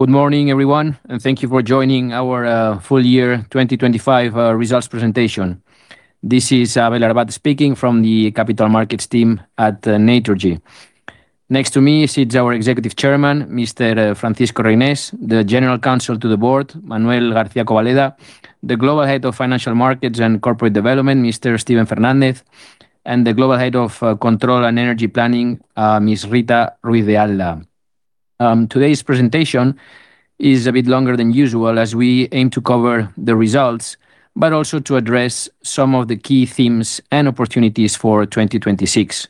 Good morning, everyone, and thank you for joining our full year 2025 results presentation. This is Abel Arbat speaking from the capital markets team at Naturgy. Next to me sits our Executive Chairman, Mr. Francisco Reynés, the General Counsel to the Board, Manuel García Cobaleda, the Global Head of Financial Markets and Corporate Development, Mr. Steven Fernández, and the Global Head of Control and Energy Planning, Ms. Rita Ruiz de Alda. Today's presentation is a bit longer than usual, as we aim to cover the results, but also to address some of the key themes and opportunities for 2026.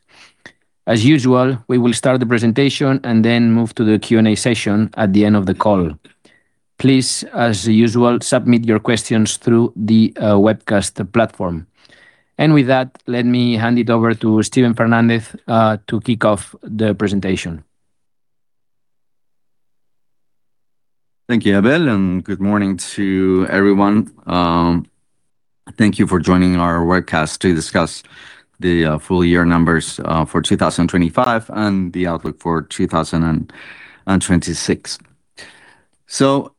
As usual, we will start the presentation and then move to the Q&A session at the end of the call. Please, as usual, submit your questions through the webcast platform. With that, let me hand it over to Steven Fernández to kick off the presentation. Thank you, Abel, and good morning to everyone. Thank you for joining our webcast to discuss the full year numbers for 2025, and the outlook for 2026. So,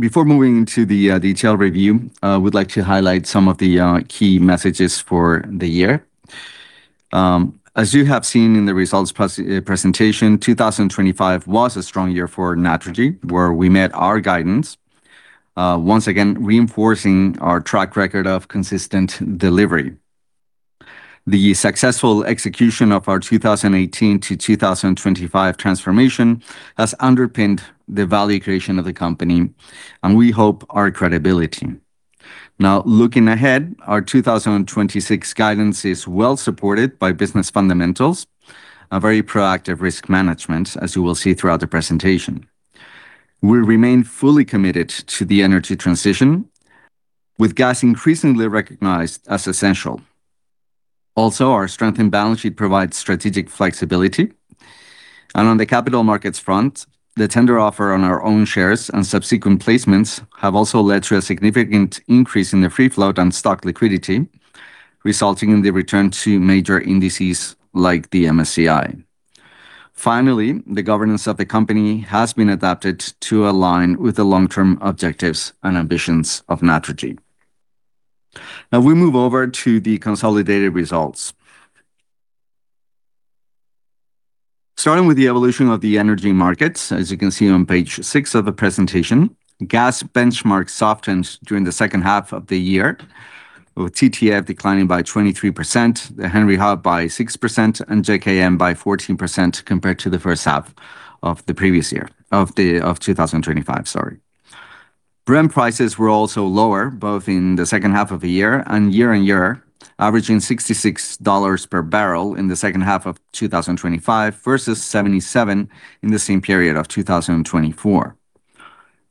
before moving to the detailed review, I would like to highlight some of the key messages for the year. As you have seen in the results presentation, 2025 was a strong year for Naturgy, where we met our guidance. Once again, reinforcing our track record of consistent delivery. The successful execution of our 2018 to 2025 transformation has underpinned the value creation of the company, and we hope, our credibility. Now, looking ahead, our 2026 guidance is well supported by business fundamentals, a very proactive risk management, as you will see throughout the presentation. We remain fully committed to the energy transition, with gas increasingly recognized as essential. Also, our strength and balance sheet provides strategic flexibility. On the capital markets front, the tender offer on our own shares and subsequent placements have also led to a significant increase in the free float and stock liquidity, resulting in the return to major indices like the MSCI. Finally, the governance of the company has been adapted to align with the long-term objectives and ambitions of Naturgy. Now, we move over to the consolidated results. Starting with the evolution of the energy markets, as you can see on page 6 of the presentation, gas benchmarks softened during the second half of the year, with TTF declining by 23%, the Henry Hub by 6%, and JKM by 14% compared to the first half of 2025, sorry. Brent prices were also lower, both in the second half of the year and year-over-year, averaging $66 per barrel in the second half of 2025, versus 77 in the same period of 2024.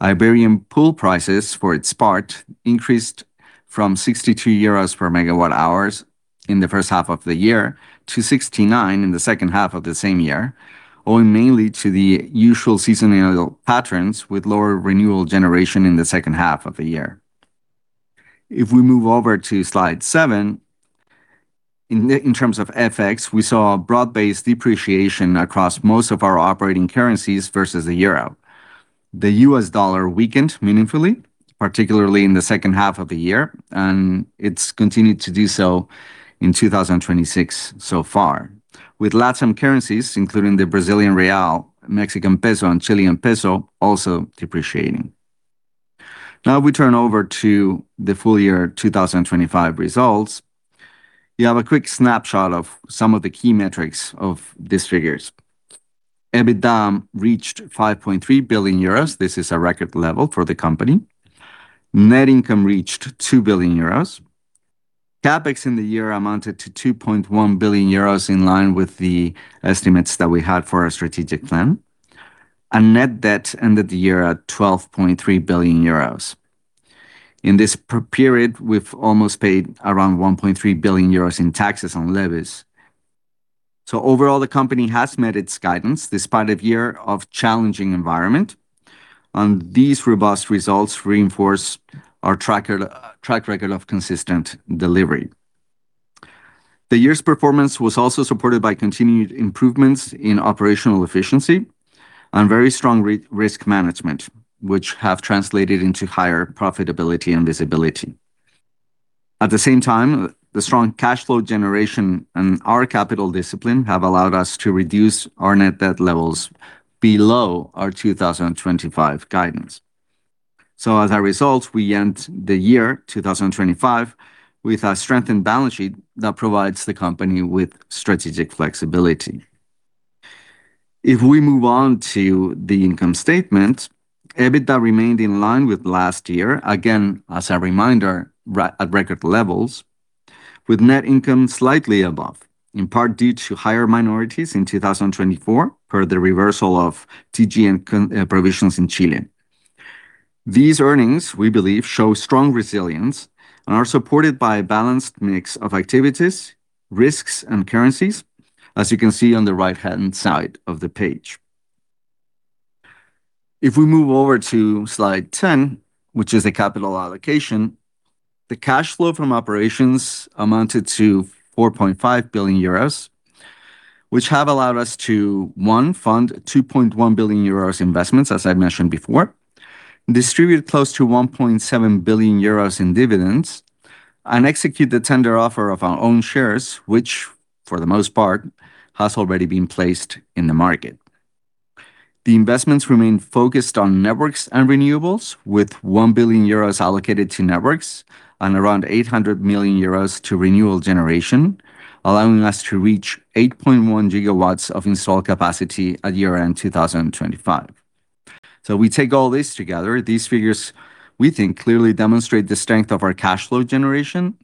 Iberian pool prices, for its part, increased from 62 euros per megawatt hours in the first half of the year to 69 EUR in the second half of the same year, owing mainly to the usual seasonal patterns, with lower renewable generation in the second half of the year. If we move over to slide seven, in terms of FX, we saw a broad-based depreciation across most of our operating currencies versus the euro. The US dollar weakened meaningfully, particularly in the second half of the year, and it's continued to do so in 2026 so far, with LatAm currencies, including the Brazilian real, Mexican peso, and Chilean peso, also depreciating. Now, we turn over to the full year 2025 results. You have a quick snapshot of some of the key metrics of these figures. EBITDA reached 5.3 billion euros. This is a record level for the company. Net income reached 2 billion euros. CapEx in the year amounted to 2.1 billion euros, in line with the estimates that we had for our strategic plan. Net debt ended the year at 12.3 billion euros. In this period, we've almost paid around 1.3 billion euros in taxes on levies. So overall, the company has met its guidance, despite a year of challenging environment, and these robust results reinforce our track record of consistent delivery. The year's performance was also supported by continued improvements in operational efficiency and very strong risk management, which have translated into higher profitability and visibility. At the same time, the strong cash flow generation and our capital discipline have allowed us to reduce our net debt levels below our 2025 guidance. So as a result, we end the year 2025 with a strengthened balance sheet that provides the company with strategic flexibility. If we move on to the income statement, EBITDA remained in line with last year. Again, as a reminder, at record levels, with net income slightly above, in part due to higher minorities in 2024 per the reversal of TGN and provisions in Chile. These earnings, we believe, show strong resilience and are supported by a balanced mix of activities, risks, and currencies, as you can see on the right-hand side of the page. If we move over to slide 10, which is a capital allocation... The cash flow from operations amounted to 4.5 billion euros, which have allowed us to, one, fund 2.1 billion euros investments, as I mentioned before, distribute close to 1.7 billion euros in dividends, and execute the tender offer of our own shares, which for the most part, has already been placed in the market. The investments remain focused on networks and renewables, with 1 billion euros allocated to networks and around 800 million euros to renewable generation, allowing us to reach 8.1 gigawatts of installed capacity at year-end 2025. So we take all this together, these figures, we think, clearly demonstrate the strength of our cash flow generation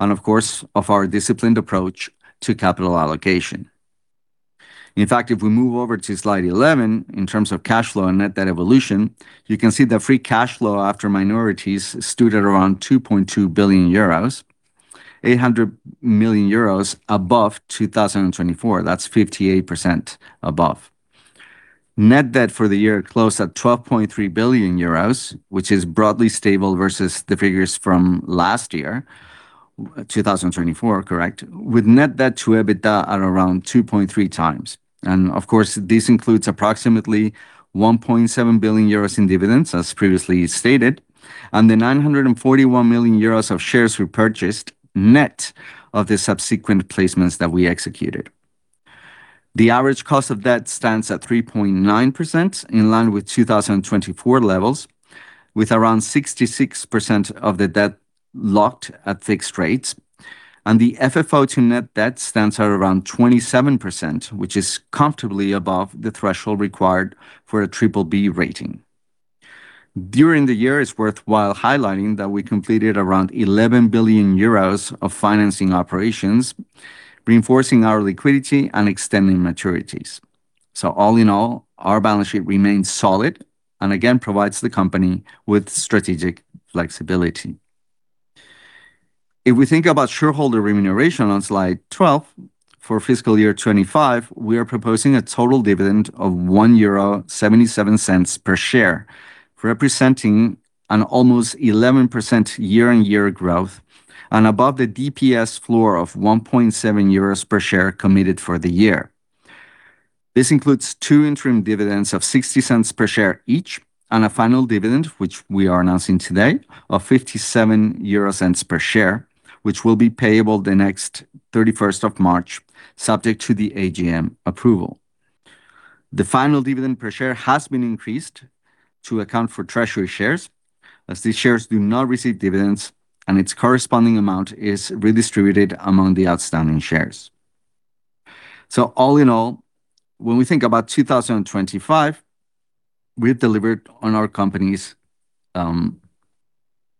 and, of course, of our disciplined approach to capital allocation. In fact, if we move over to slide 11, in terms of cash flow and net debt evolution, you can see the free cash flow after minorities stood at around 2.2 billion euros, 800 million euros above 2024. That's 58% above. Net debt for the year closed at 12.3 billion euros, which is broadly stable versus the figures from last year, 2024, correct? With net debt to EBITDA at around 2.3x. And of course, this includes approximately 1.7 billion euros in dividends, as previously stated, and the 941 million euros of shares repurchased, net of the subsequent placements that we executed. The average cost of debt stands at 3.9%, in line with 2024 levels, with around 66% of the debt locked at fixed rates, and the FFO to net debt stands at around 27%, which is comfortably above the threshold required for a BBB rating. During the year, it's worthwhile highlighting that we completed around 11 billion euros of financing operations, reinforcing our liquidity and extending maturities. So all in all, our balance sheet remains solid and again, provides the company with strategic flexibility. If we think about shareholder remuneration on slide 12, for fiscal year 2025, we are proposing a total dividend of 1.77 euro per share, representing an almost 11% year-on-year growth and above the DPS floor of 1.7 euros per share committed for the year. This includes two interim dividends of 0.60 per share each, and a final dividend, which we are announcing today, of 0.57 per share, which will be payable the next thirty-first of March, subject to the AGM approval. The final dividend per share has been increased to account for treasury shares, as these shares do not receive dividends and its corresponding amount is redistributed among the outstanding shares. All in all, when we think about 2025, we've delivered on our company's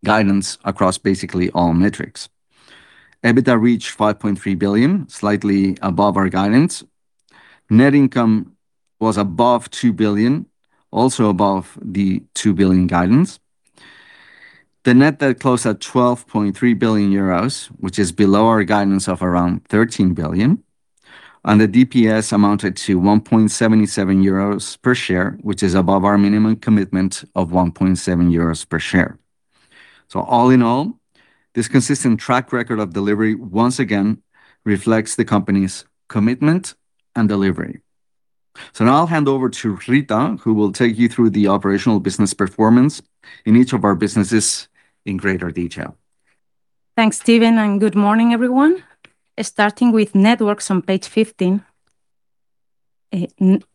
guidance across basically all metrics. EBITDA reached 5.3 billion, slightly above our guidance. Net income was above 2 billion, also above the 2 billion guidance. The net debt closed at 12.3 billion euros, which is below our guidance of around 13 billion, and the DPS amounted to 1.77 euros per share, which is above our minimum commitment of 1.7 euros per share. So all in all, this consistent track record of delivery once again reflects the company's commitment and delivery. So now I'll hand over to Rita, who will take you through the operational business performance in each of our businesses in greater detail. Thanks, Steven, and good morning, everyone. Starting with networks on page 15. Networks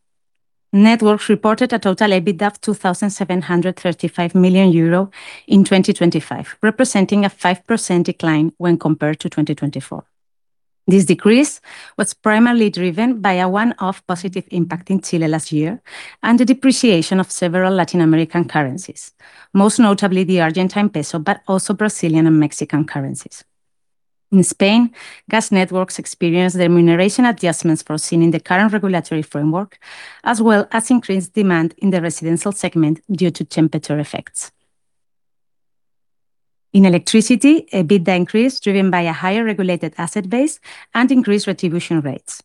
reported a total EBITDA of 2,735 million euro in 2025, representing a 5% decline when compared to 2024. This decrease was primarily driven by a one-off positive impact in Chile last year and the depreciation of several Latin American currencies, most notably the Argentine peso, but also Brazilian and Mexican currencies. In Spain, gas networks experienced the remuneration adjustments foreseen in the current regulatory framework, as well as increased demand in the residential segment due to temperature effects. In electricity, EBITDA increased, driven by a higher regulated asset base and increased retribution rates.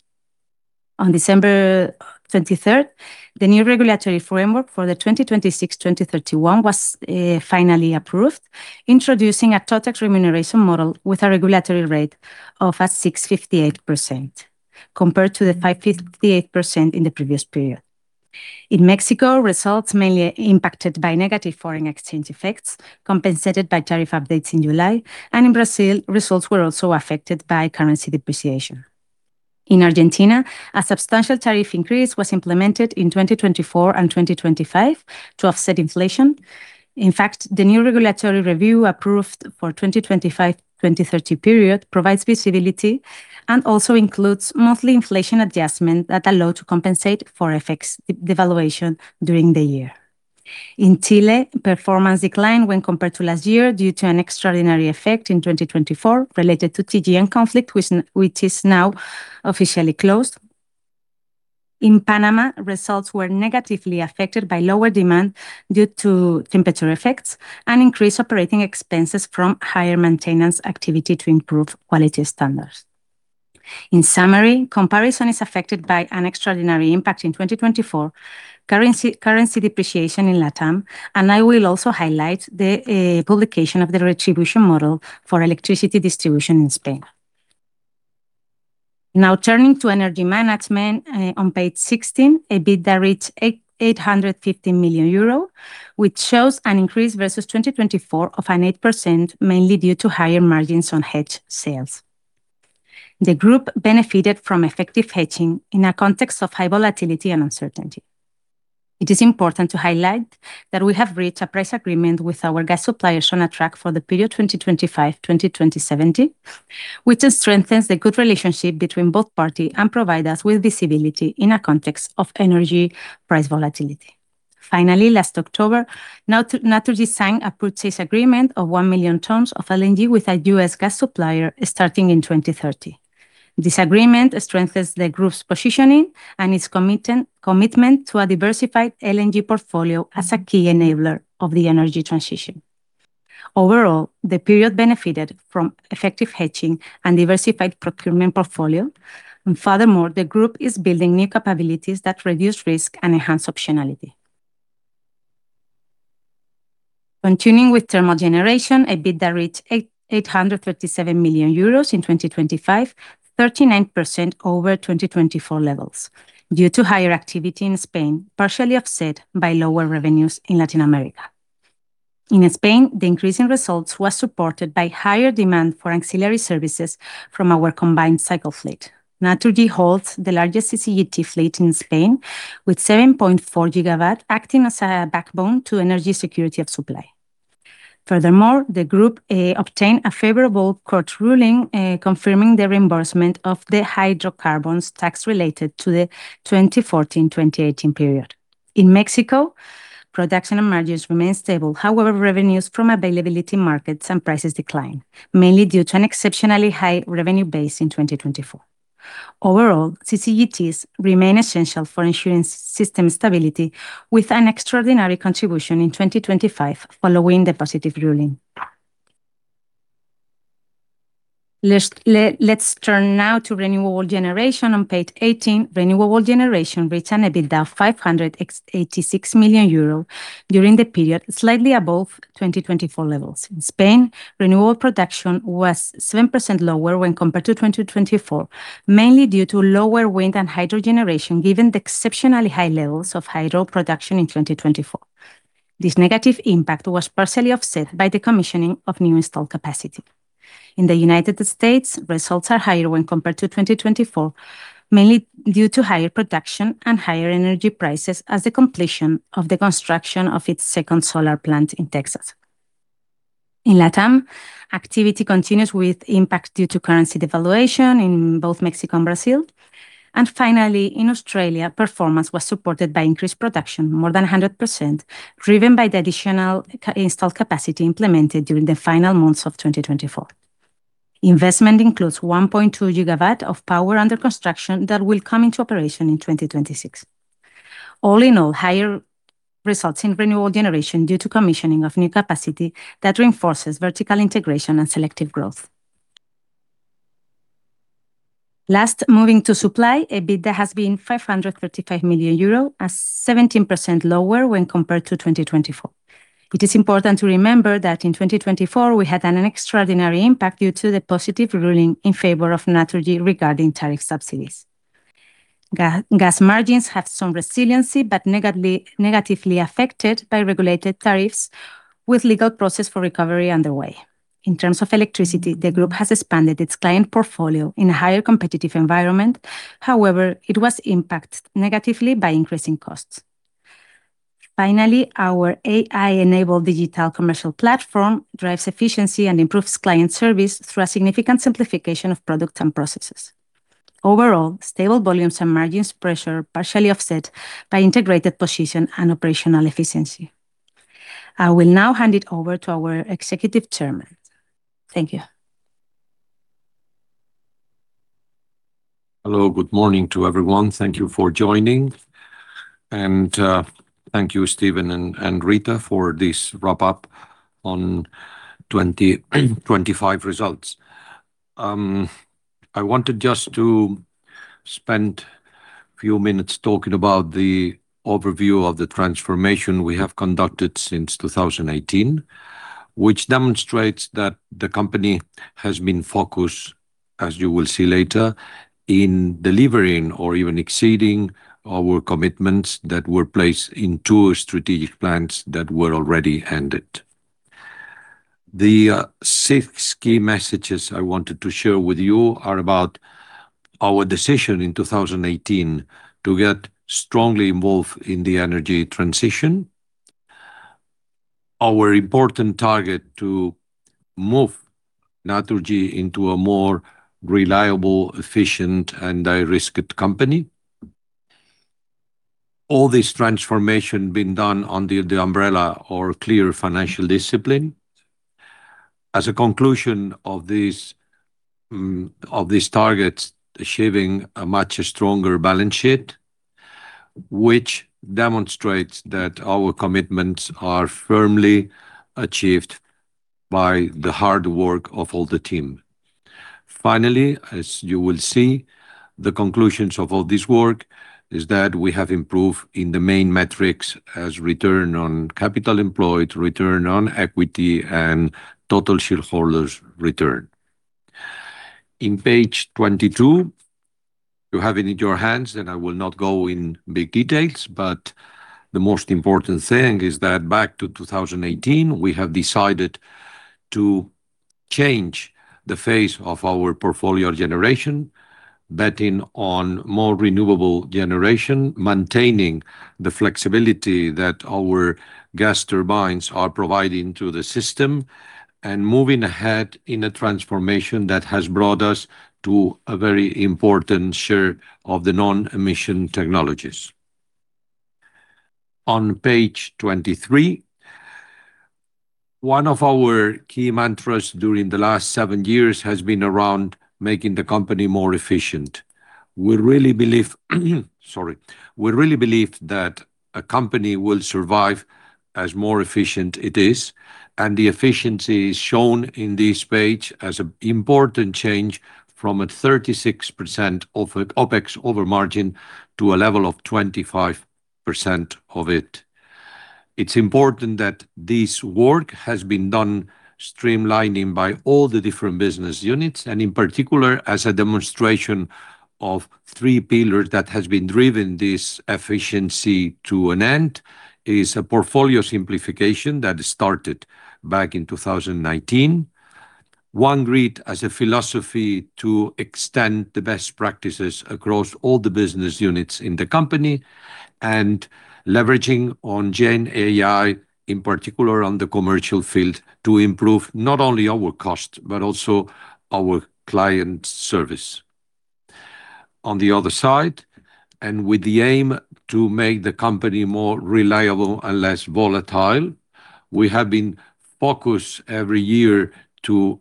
On December twenty-third, the new regulatory framework for the 2026/2031 was finally approved, introducing a total remuneration model with a regulatory rate of at 6.58%, compared to the 5.58% in the previous period. In Mexico, results mainly impacted by negative foreign exchange effects, compensated by tariff updates in July. In Brazil, results were also affected by currency depreciation. In Argentina, a substantial tariff increase was implemented in 2024 and 2025 to offset inflation. In fact, the new regulatory review approved for the 2025/2030 period provides visibility and also includes monthly inflation adjustment that allow to compensate for FX devaluation during the year. In Chile, performance declined when compared to last year due to an extraordinary effect in 2024 related to TGN conflict, which is now officially closed. In Panama, results were negatively affected by lower demand due to temperature effects and increased operating expenses from higher maintenance activity to improve quality standards.... In summary, comparison is affected by an extraordinary impact in 2024, currency, currency depreciation in Latam, and I will also highlight the publication of the retribution model for electricity distribution in Spain. Now, turning to Energy Management, on page 16, EBITDA reached 850 million euro, which shows an increase versus 2024 of an 8%, mainly due to higher margins on hedge sales. The group benefited from effective hedging in a context of high volatility and uncertainty. It is important to highlight that we have reached a price agreement with our gas suppliers Sonatrach for the period 2025 to 2070, which strengthens the good relationship between both parties and provide us with visibility in a context of energy price volatility. Finally, last October, Naturgy signed a purchase agreement of 1 million tons of LNG with a US gas supplier starting in 2030. This agreement strengthens the group's positioning and its commitment to a diversified LNG portfolio as a key enabler of the energy transition. Overall, the period benefited from effective hedging and diversified procurement portfolio. Furthermore, the group is building new capabilities that reduce risk and enhance optionality. Continuing with thermal generation, EBITDA reached 837 million euros in 2025, 39% over 2024 levels, due to higher activity in Spain, partially offset by lower revenues in Latin America. In Spain, the increase in results was supported by higher demand for ancillary services from our combined cycle fleet. Naturgy holds the largest CCGT fleet in Spain, with 7.4 GW acting as a backbone to energy security of supply. Furthermore, the group obtained a favorable court ruling confirming the reimbursement of the hydrocarbons tax related to the 2014-2018 period. In Mexico, production and margins remain stable. However, revenues from availability markets and prices decline, mainly due to an exceptionally high revenue base in 2024. Overall, CCGTs remain essential for ensuring system stability with an extraordinary contribution in 2025 following the positive ruling. Let's turn now to renewable generation on page 18. Renewable generation returned EBITDA of 586 million euro during the period, slightly above 2024 levels. In Spain, renewable production was 7% lower when compared to 2024, mainly due to lower wind and hydro generation, given the exceptionally high levels of hydro production in 2024. This negative impact was partially offset by the commissioning of new installed capacity. In the United States, results are higher when compared to 2024, mainly due to higher production and higher energy prices as the completion of the construction of its second solar plant in Texas. In Latam, activity continues with impact due to currency devaluation in both Mexico and Brazil. Finally, in Australia, performance was supported by increased production, more than 100%, driven by the additional installed capacity implemented during the final months of 2024. Investment includes 1.2 GW of power under construction that will come into operation in 2026. All in all, higher results in renewable generation due to commissioning of new capacity that reinforces vertical integration and selective growth. Last, moving to supply, EBITDA has been 535 million euro, 17% lower when compared to 2024. It is important to remember that in 2024, we had an extraordinary impact due to the positive ruling in favor of Naturgy regarding tariff subsidies. Gas margins have some resiliency, but negatively affected by regulated tariffs, with legal process for recovery underway. In terms of electricity, the group has expanded its client portfolio in a higher competitive environment. However, it was impacted negatively by increasing costs. Finally, our AI-enabled digital commercial platform drives efficiency and improves client service through a significant simplification of products and processes. Overall, stable volumes and margins pressure partially offset by integrated position and operational efficiency. I will now hand it over to our Executive Chairman. Thank you. Hello, good morning to everyone. Thank you for joining, and thank you, Steven and Rita, for this wrap-up on 2025 results. I wanted just to spend a few minutes talking about the overview of the transformation we have conducted since 2018, which demonstrates that the company has been focused, as you will see later, in delivering or even exceeding our commitments that were placed in two strategic plans that were already ended. The six key messages I wanted to share with you are about our decision in 2018 to get strongly involved in the energy transition. Our important target to move Naturgy into a more reliable, efficient, and low-risked company. All this transformation being done under the umbrella or clear financial discipline. As a conclusion of these, of these targets, achieving a much stronger balance sheet, which demonstrates that our commitments are firmly achieved by the hard work of all the team. Finally, as you will see, the conclusions of all this work is that we have improved in the main metrics as return on capital employed, return on equity, and total shareholders' return. On page 22, you have it in your hands, and I will not go in the details, but the most important thing is that back to 2018, we have decided to change the face of our portfolio generation, betting on more renewable generation, maintaining the flexibility that our gas turbines are providing to the system, and moving ahead in a transformation that has brought us to a very important share of the non-emission technologies. On page 23, one of our key mantras during the last 7 years has been around making the company more efficient. We really believe, sorry. We really believe that a company will survive as more efficient it is, and the efficiency is shown in this page as an important change from a 36% of, OpEx over margin to a level of 25% of it. It's important that this work has been done streamlining by all the different business units, and in particular, as a demonstration of 3 pillars that has been driven this efficiency to an end, is a portfolio simplification that started back in 2019. One grid as a philosophy to extend the best practices across all the business units in the company, and leveraging on GenAI, in particular on the commercial field, to improve not only our cost, but also our client service. On the other side, and with the aim to make the company more reliable and less volatile, we have been focused every year to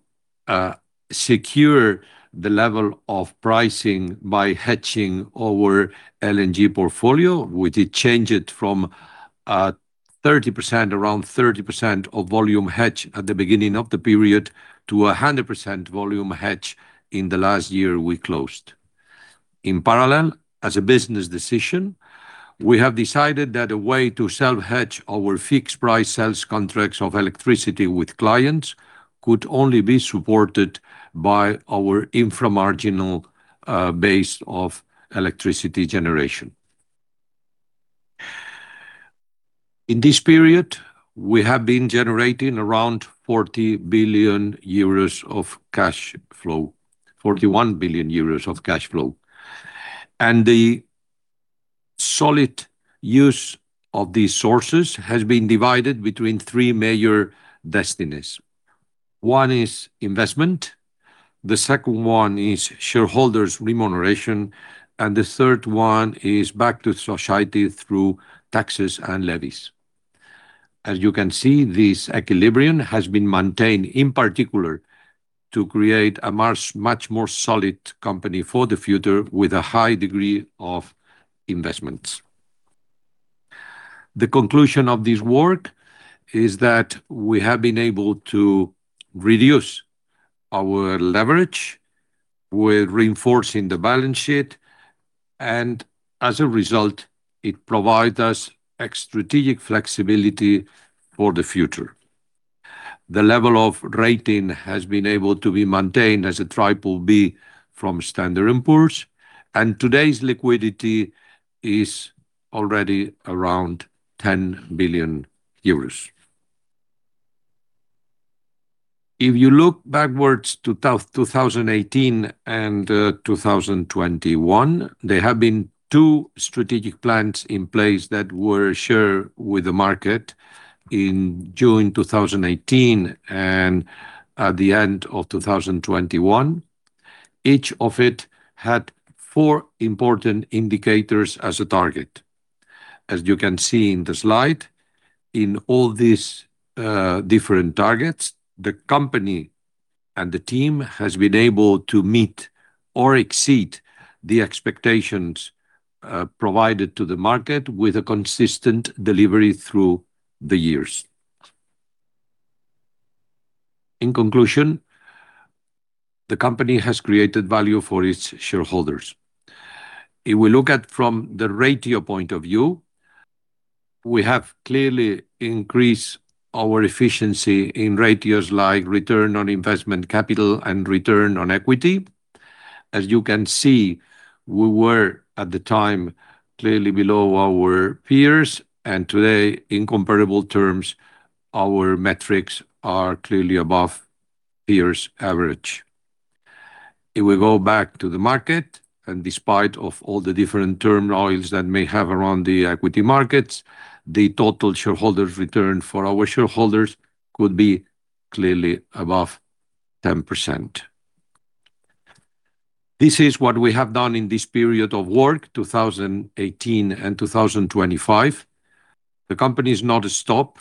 secure the level of pricing by hedging our LNG portfolio. We did change it from thirty percent, around 30% of volume hedge at the beginning of the period, to 100% volume hedge in the last year we closed. In parallel, as a business decision, we have decided that a way to self-hedge our fixed price sales contracts of electricity with clients could only be supported by our infra-marginal base of electricity generation. In this period, we have been generating around 40 billion euros of cash flow, 41 billion euros of cash flow, and the solid use of these sources has been divided between three major destinies. One is investment, the second one is shareholders' remuneration, and the third one is back to society through taxes and levies. As you can see, this equilibrium has been maintained, in particular, to create a much, much more solid company for the future, with a high degree of investments. The conclusion of this work is that we have been able to reduce our leverage with reinforcing the balance sheet, and as a result, it provides us a strategic flexibility for the future. The level of rating has been able to be maintained as a BBB from Standard & Poor's, and today's liquidity is already around EUR 10 billion. If you look backwards to 2018 and 2021, there have been two strategic plans in place that were shared with the market in June 2018 and at the end of 2021. Each of it had two important indicators as a target. As you can see in the slide, in all these different targets, the company and the team has been able to meet or exceed the expectations provided to the market with a consistent delivery through the years. In conclusion, the company has created value for its shareholders. If we look at from the ratio point of view, we have clearly increased our efficiency in ratios like return on investment capital and return on equity. As you can see, we were, at the time, clearly below our peers, and today, in comparable terms, our metrics are clearly above peers' average. If we go back to the market, and despite of all the different turmoils that may have around the equity markets, the total shareholder return for our shareholders could be clearly above 10%. This is what we have done in this period of work, 2018 and 2025. The company is not a stop.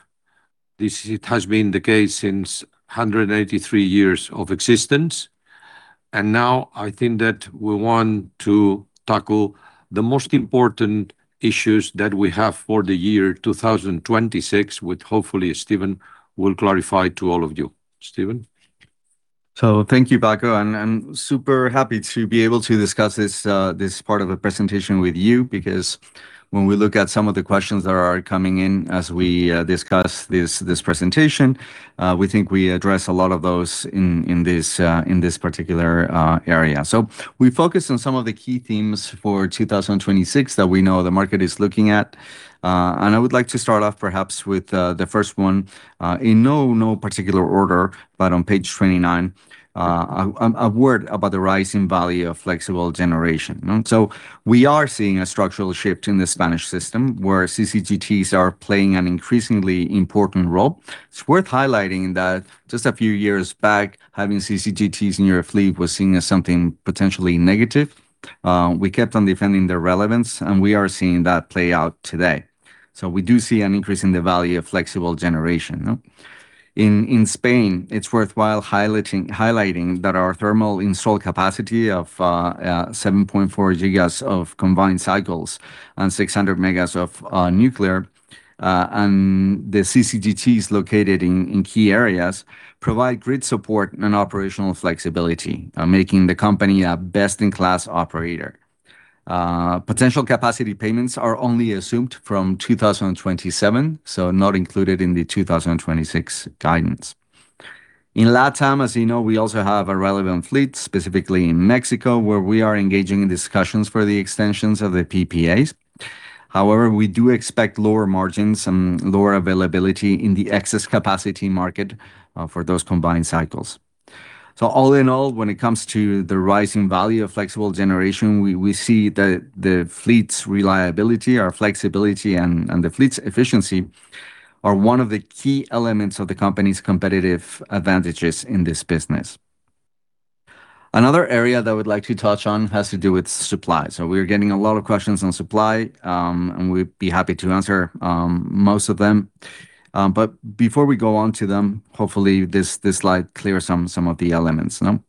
This, it has been the case since 183 years of existence... and now I think that we want to tackle the most important issues that we have for the year 2026, which hopefully Steven will clarify to all of you. Steven? So thank you, Paco, and I'm super happy to be able to discuss this part of the presentation with you, because when we look at some of the questions that are coming in as we discuss this presentation, we think we address a lot of those in this particular area. So we focused on some of the key themes for 2026 that we know the market is looking at. And I would like to start off perhaps with the first one, in no particular order, but on page 29, a word about the rising value of flexible generation, no? So we are seeing a structural shift in the Spanish system, where CCGTs are playing an increasingly important role. It's worth highlighting that just a few years back, having CCGTs in your fleet was seen as something potentially negative. We kept on defending their relevance, and we are seeing that play out today. So we do see an increase in the value of flexible generation, no? In Spain, it's worthwhile highlighting that our thermal installed capacity of 7.4 GW of combined cycles and 600 MW of nuclear, and the CCGTs located in key areas, provide grid support and operational flexibility, making the company a best-in-class operator. Potential capacity payments are only assumed from 2027, so not included in the 2026 guidance. In LATAM, as you know, we also have a relevant fleet, specifically in Mexico, where we are engaging in discussions for the extensions of the PPAs. However, we do expect lower margins and lower availability in the excess capacity market, for those combined cycles. So all in all, when it comes to the rising value of flexible generation, we see that the fleet's reliability, our flexibility, and the fleet's efficiency are one of the key elements of the company's competitive advantages in this business. Another area that I would like to touch on has to do with supply. So we're getting a lot of questions on supply, and we'd be happy to answer most of them. But before we go on to them, hopefully, this slide clears some of the elements, no?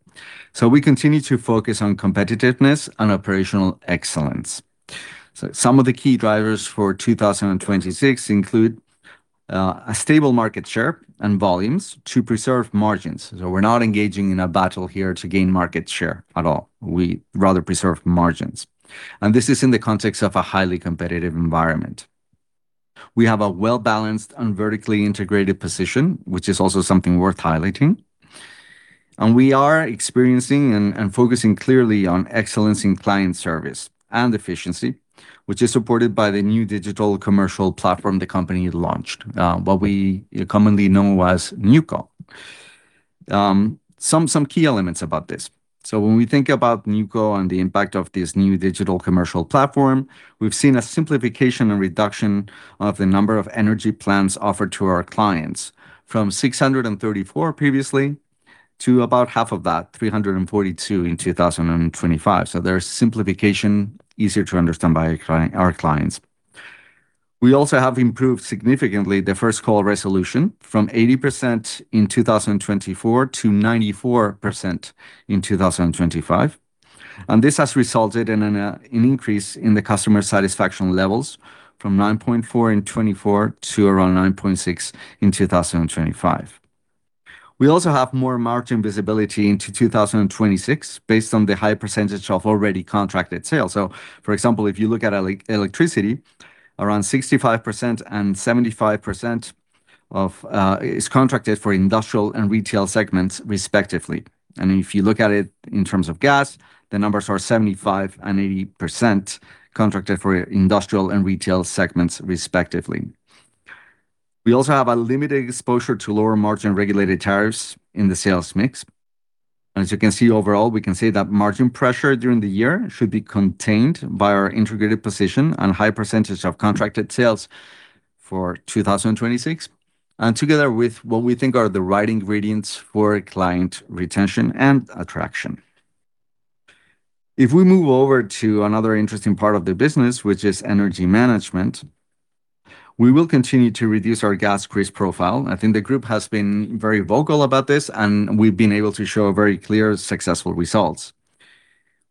So we continue to focus on competitiveness and operational excellence. So some of the key drivers for 2026 include, a stable market share and volumes to preserve margins. So we're not engaging in a battle here to gain market share at all. We rather preserve margins, and this is in the context of a highly competitive environment. We have a well-balanced and vertically integrated position, which is also something worth highlighting, and we are experiencing and focusing clearly on excellence in client service and efficiency, which is supported by the new digital commercial platform the company launched, what we commonly know as NewCo. Some key elements about this: So when we think about NewCo and the impact of this new digital commercial platform, we've seen a simplification and reduction of the number of energy plans offered to our clients, from 634 previously to about half of that, 342, in 2025. So there's simplification, easier to understand by our clients. We also have improved significantly the first call resolution from 80% in 2024 to 94% in 2025, and this has resulted in an increase in the customer satisfaction levels from 9.4 in 2024 to around 9.6 in 2025. We also have more margin visibility into 2026, based on the high percentage of already contracted sales. So for example, if you look at electricity, around 65% and 75% of is contracted for industrial and retail segments, respectively. And if you look at it in terms of gas, the numbers are 75% and 80% contracted for industrial and retail segments, respectively. We also have a limited exposure to lower-margin regulated tariffs in the sales mix. As you can see, overall, we can say that margin pressure during the year should be contained by our integrated position and high percentage of contracted sales for 2026, and together with what we think are the right ingredients for client retention and attraction. If we move over to another interesting part of the business, which is Energy Management, we will continue to reduce our gas risk profile. I think the group has been very vocal about this, and we've been able to show very clear, successful results.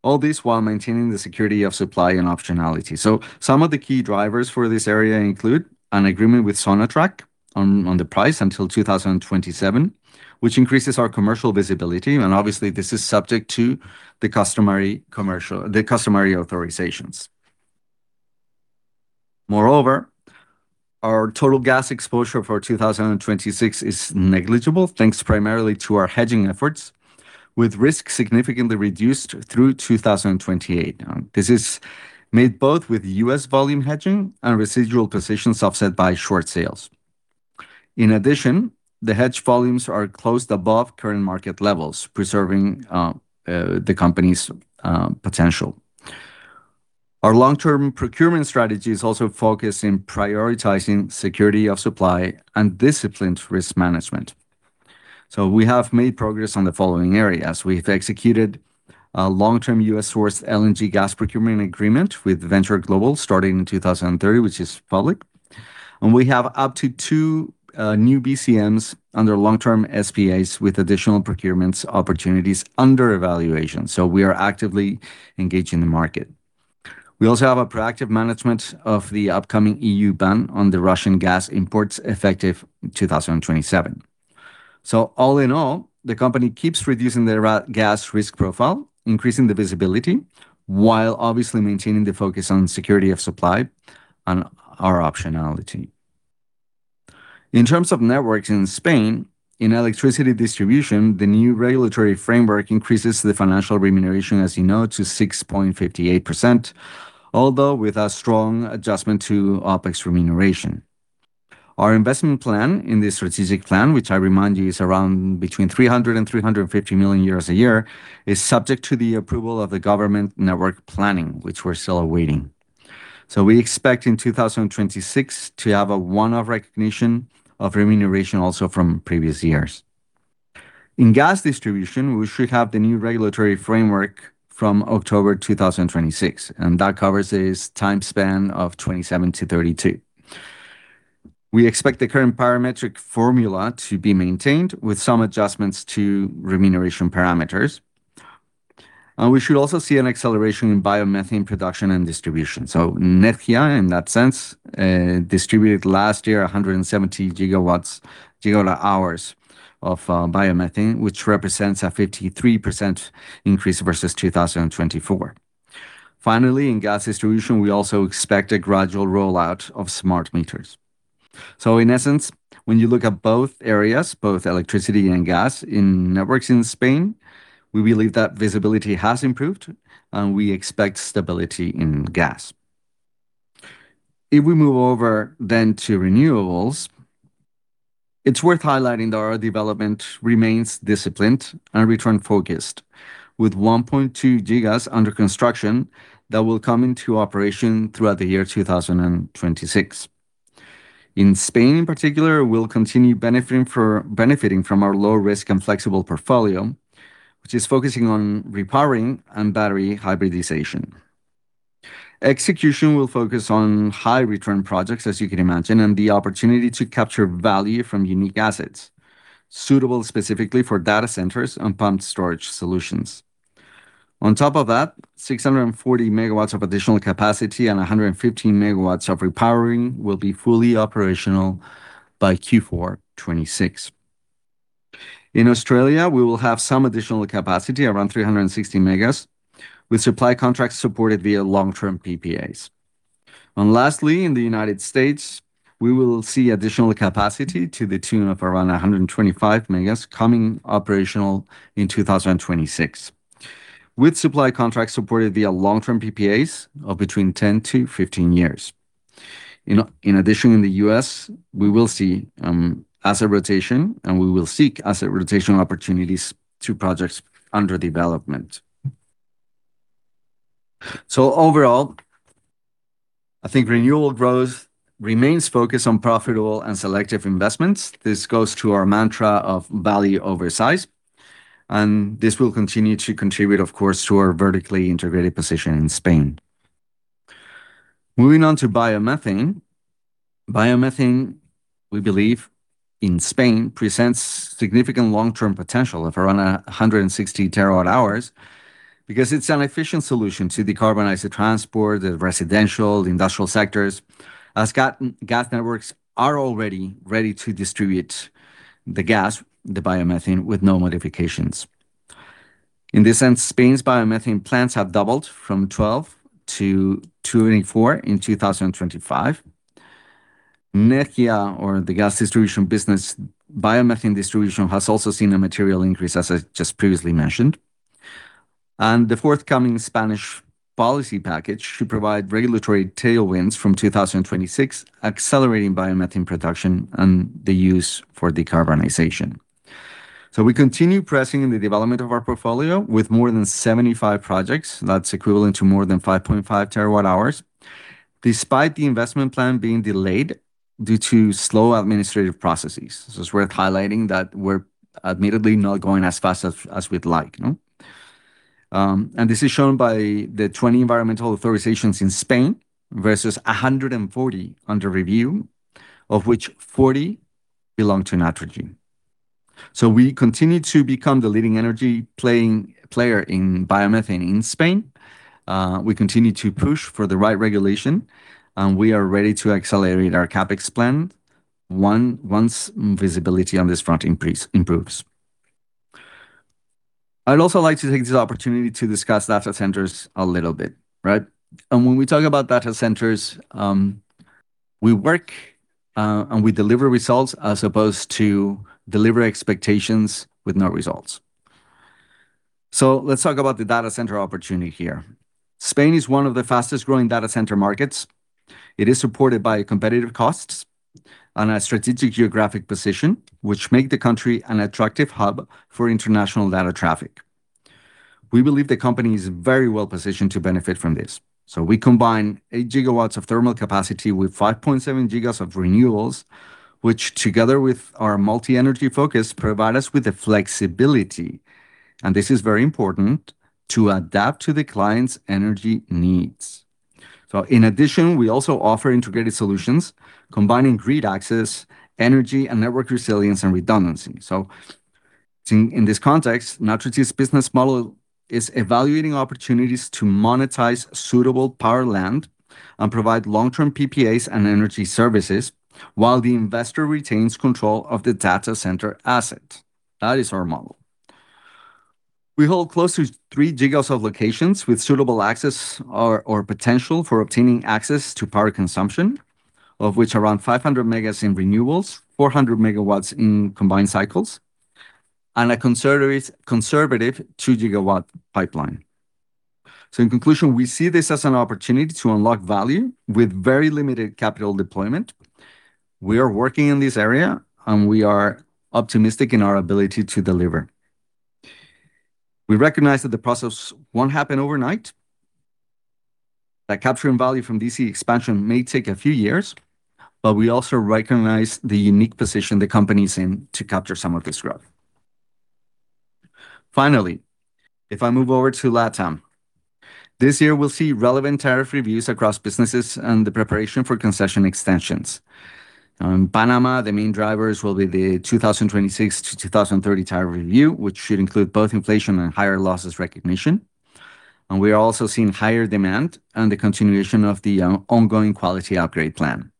All this while maintaining the security of supply and optionality. Some of the key drivers for this area include an agreement with Sonatrach on, on the price until 2027, which increases our commercial visibility, and obviously, this is subject to the customary commercial- the customary authorizations. Moreover, our total gas exposure for 2026 is negligible, thanks primarily to our hedging efforts, with risk significantly reduced through 2028. This is made both with US volume hedging and residual positions offset by short sales. In addition, the hedge volumes are closed above current market levels, preserving the company's potential. Our long-term procurement strategy is also focused in prioritizing security of supply and disciplined risk management. We have made progress on the following areas. We've executed a long-term US source LNG gas procurement agreement with Venture Global starting in 2030, which is public. We have up to 2 new BCMs under long-term SPAs, with additional procurement opportunities under evaluation. We are actively engaged in the market. We also have a proactive management of the upcoming EU ban on the Russian gas imports, effective 2027. So all in all, the company keeps reducing the Russian gas risk profile, increasing the visibility, while obviously maintaining the focus on security of supply and our optionality. In terms of networks in Spain, in electricity distribution, the new regulatory framework increases the financial remuneration, as you know, to 6.58%, although with a strong adjustment to OpEx remuneration. Our investment plan in this strategic plan, which I remind you, is around between 300 million and 350 million euros a year, is subject to the approval of the government network planning, which we're still awaiting. So we expect in 2026 to have a one-off recognition of remuneration also from previous years. In gas distribution, we should have the new regulatory framework from October 2026, and that covers a time span of 27-32. We expect the current parametric formula to be maintained, with some adjustments to remuneration parameters. We should also see an acceleration in biomethane production and distribution. So Nedgia, in that sense, distributed last year, 170 gigawatt hours of biomethane, which represents a 53% increase versus 2024. Finally, in gas distribution, we also expect a gradual rollout of smart meters. So in essence, when you look at both areas, both electricity and gas in networks in Spain, we believe that visibility has improved, and we expect stability in gas. If we move over then to renewables, it's worth highlighting that our development remains disciplined and return-focused, with 1.2 gigas under construction that will come into operation throughout the year 2026. In Spain, in particular, we'll continue benefiting from our low risk and flexible portfolio, which is focusing on repowering and battery hybridization. Execution will focus on high-return projects, as you can imagine, and the opportunity to capture value from unique assets, suitable specifically for data centers and pumped storage solutions. On top of that, 640 megawatts of additional capacity and 115 megawatts of repowering will be fully operational by Q4 2026. In Australia, we will have some additional capacity, around 360 megas, with supply contracts supported via long-term PPAs. Lastly, in the United States, we will see additional capacity to the tune of around 125 megas coming operational in 2026, with supply contracts supported via long-term PPAs of between 10-15 years. In addition, in the US, we will see asset rotation, and we will seek asset rotation opportunities to projects under development. Overall, I think renewable growth remains focused on profitable and selective investments. This goes to our mantra of value over size, and this will continue to contribute, of course, to our vertically integrated position in Spain. Moving on to biomethane. Biomethane, we believe, in Spain, presents significant long-term potential of around 160 terawatt-hours, because it's an efficient solution to decarbonize the transport, the residential, industrial sectors, as gas networks are already ready to distribute the gas, the biomethane, with no modifications. In this sense, Spain's biomethane plants have doubled from 12 to 24 in 2025. Nedgia, or the gas distribution business, biomethane distribution, has also seen a material increase, as I just previously mentioned. The forthcoming Spanish policy package should provide regulatory tailwinds from 2026, accelerating biomethane production and the use for decarbonization. We continue pressing in the development of our portfolio with more than 75 projects. That's equivalent to more than 5.5 TWh, despite the investment plan being delayed due to slow administrative processes. This is worth highlighting, that we're admittedly not going as fast as we'd like, no? And this is shown by the 20 environmental authorizations in Spain versus 140 under review, of which 40 belong to Naturgy. We continue to become the leading energy player in biomethane in Spain. We continue to push for the right regulation, and we are ready to accelerate our CapEx plan once visibility on this front improves. I'd also like to take this opportunity to discuss data centers a little bit, right? And when we talk about data centers, we work, and we deliver results, as opposed to deliver expectations with no results. So let's talk about the data center opportunity here. Spain is one of the fastest-growing data center markets. It is supported by competitive costs and a strategic geographic position, which make the country an attractive hub for international data traffic. We believe the company is very well positioned to benefit from this. So we combine eight GW of thermal capacity with 5.7 GW of renewables, which, together with our multi-energy focus, provide us with the flexibility, and this is very important, to adapt to the client's energy needs. So in addition, we also offer integrated solutions, combining grid access, energy, and network resilience and redundancy. So in this context, Naturgy's business model is evaluating opportunities to monetize suitable powered land and provide long-term PPAs and energy services, while the investor retains control of the data center asset. That is our model. We hold close to 3 GW of locations with suitable access or potential for obtaining access to power consumption, of which around 500 MW in renewables, 400 MW in combined cycles, and a conservative two-GW pipeline. So in conclusion, we see this as an opportunity to unlock value with very limited capital deployment. We are working in this area, and we are optimistic in our ability to deliver. We recognize that the process won't happen overnight, that capturing value from DC expansion may take a few years, but we also recognize the unique position the company is in to capture some of this growth. Finally, if I move over to Latam, this year, we'll see relevant tariff reviews across businesses and the preparation for concession extensions. Now, in Panama, the main drivers will be the 2026-2030 tariff review, which should include both inflation and higher losses recognition, and we are also seeing higher demand and the continuation of the ongoing quality upgrade plan.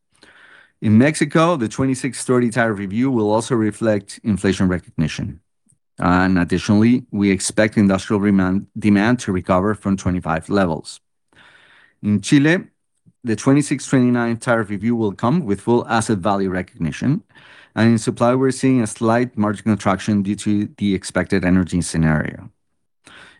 In Mexico, the 2026-2030 tariff review will also reflect inflation recognition. Additionally, we expect industrial demand to recover from 25 levels. In Chile, the 2026-2029 tariff review will come with full asset value recognition, and in supply, we're seeing a slight margin contraction due to the expected energy scenario.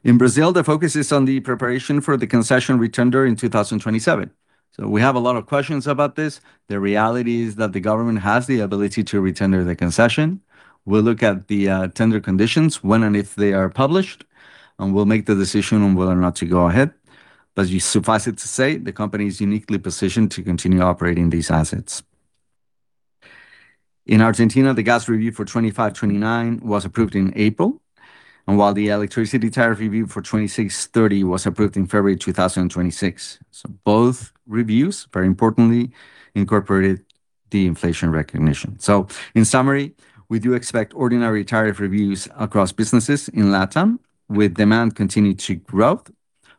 In Brazil, the focus is on the preparation for the concession re-tender in 2027. So we have a lot of questions about this. The reality is that the government has the ability to re-tender the concession. We'll look at the tender conditions when, and if they are published, and we'll make the decision on whether or not to go ahead. But suffice it to say, the company is uniquely positioned to continue operating these assets. In Argentina, the gas review for 2025-2029 was approved in April, and while the electricity tariff review for 2026-2030 was approved in February 2026. So both reviews, very importantly, incorporated the inflation recognition. In summary, we do expect ordinary tariff reviews across businesses in LatAm, with demand continuing to growth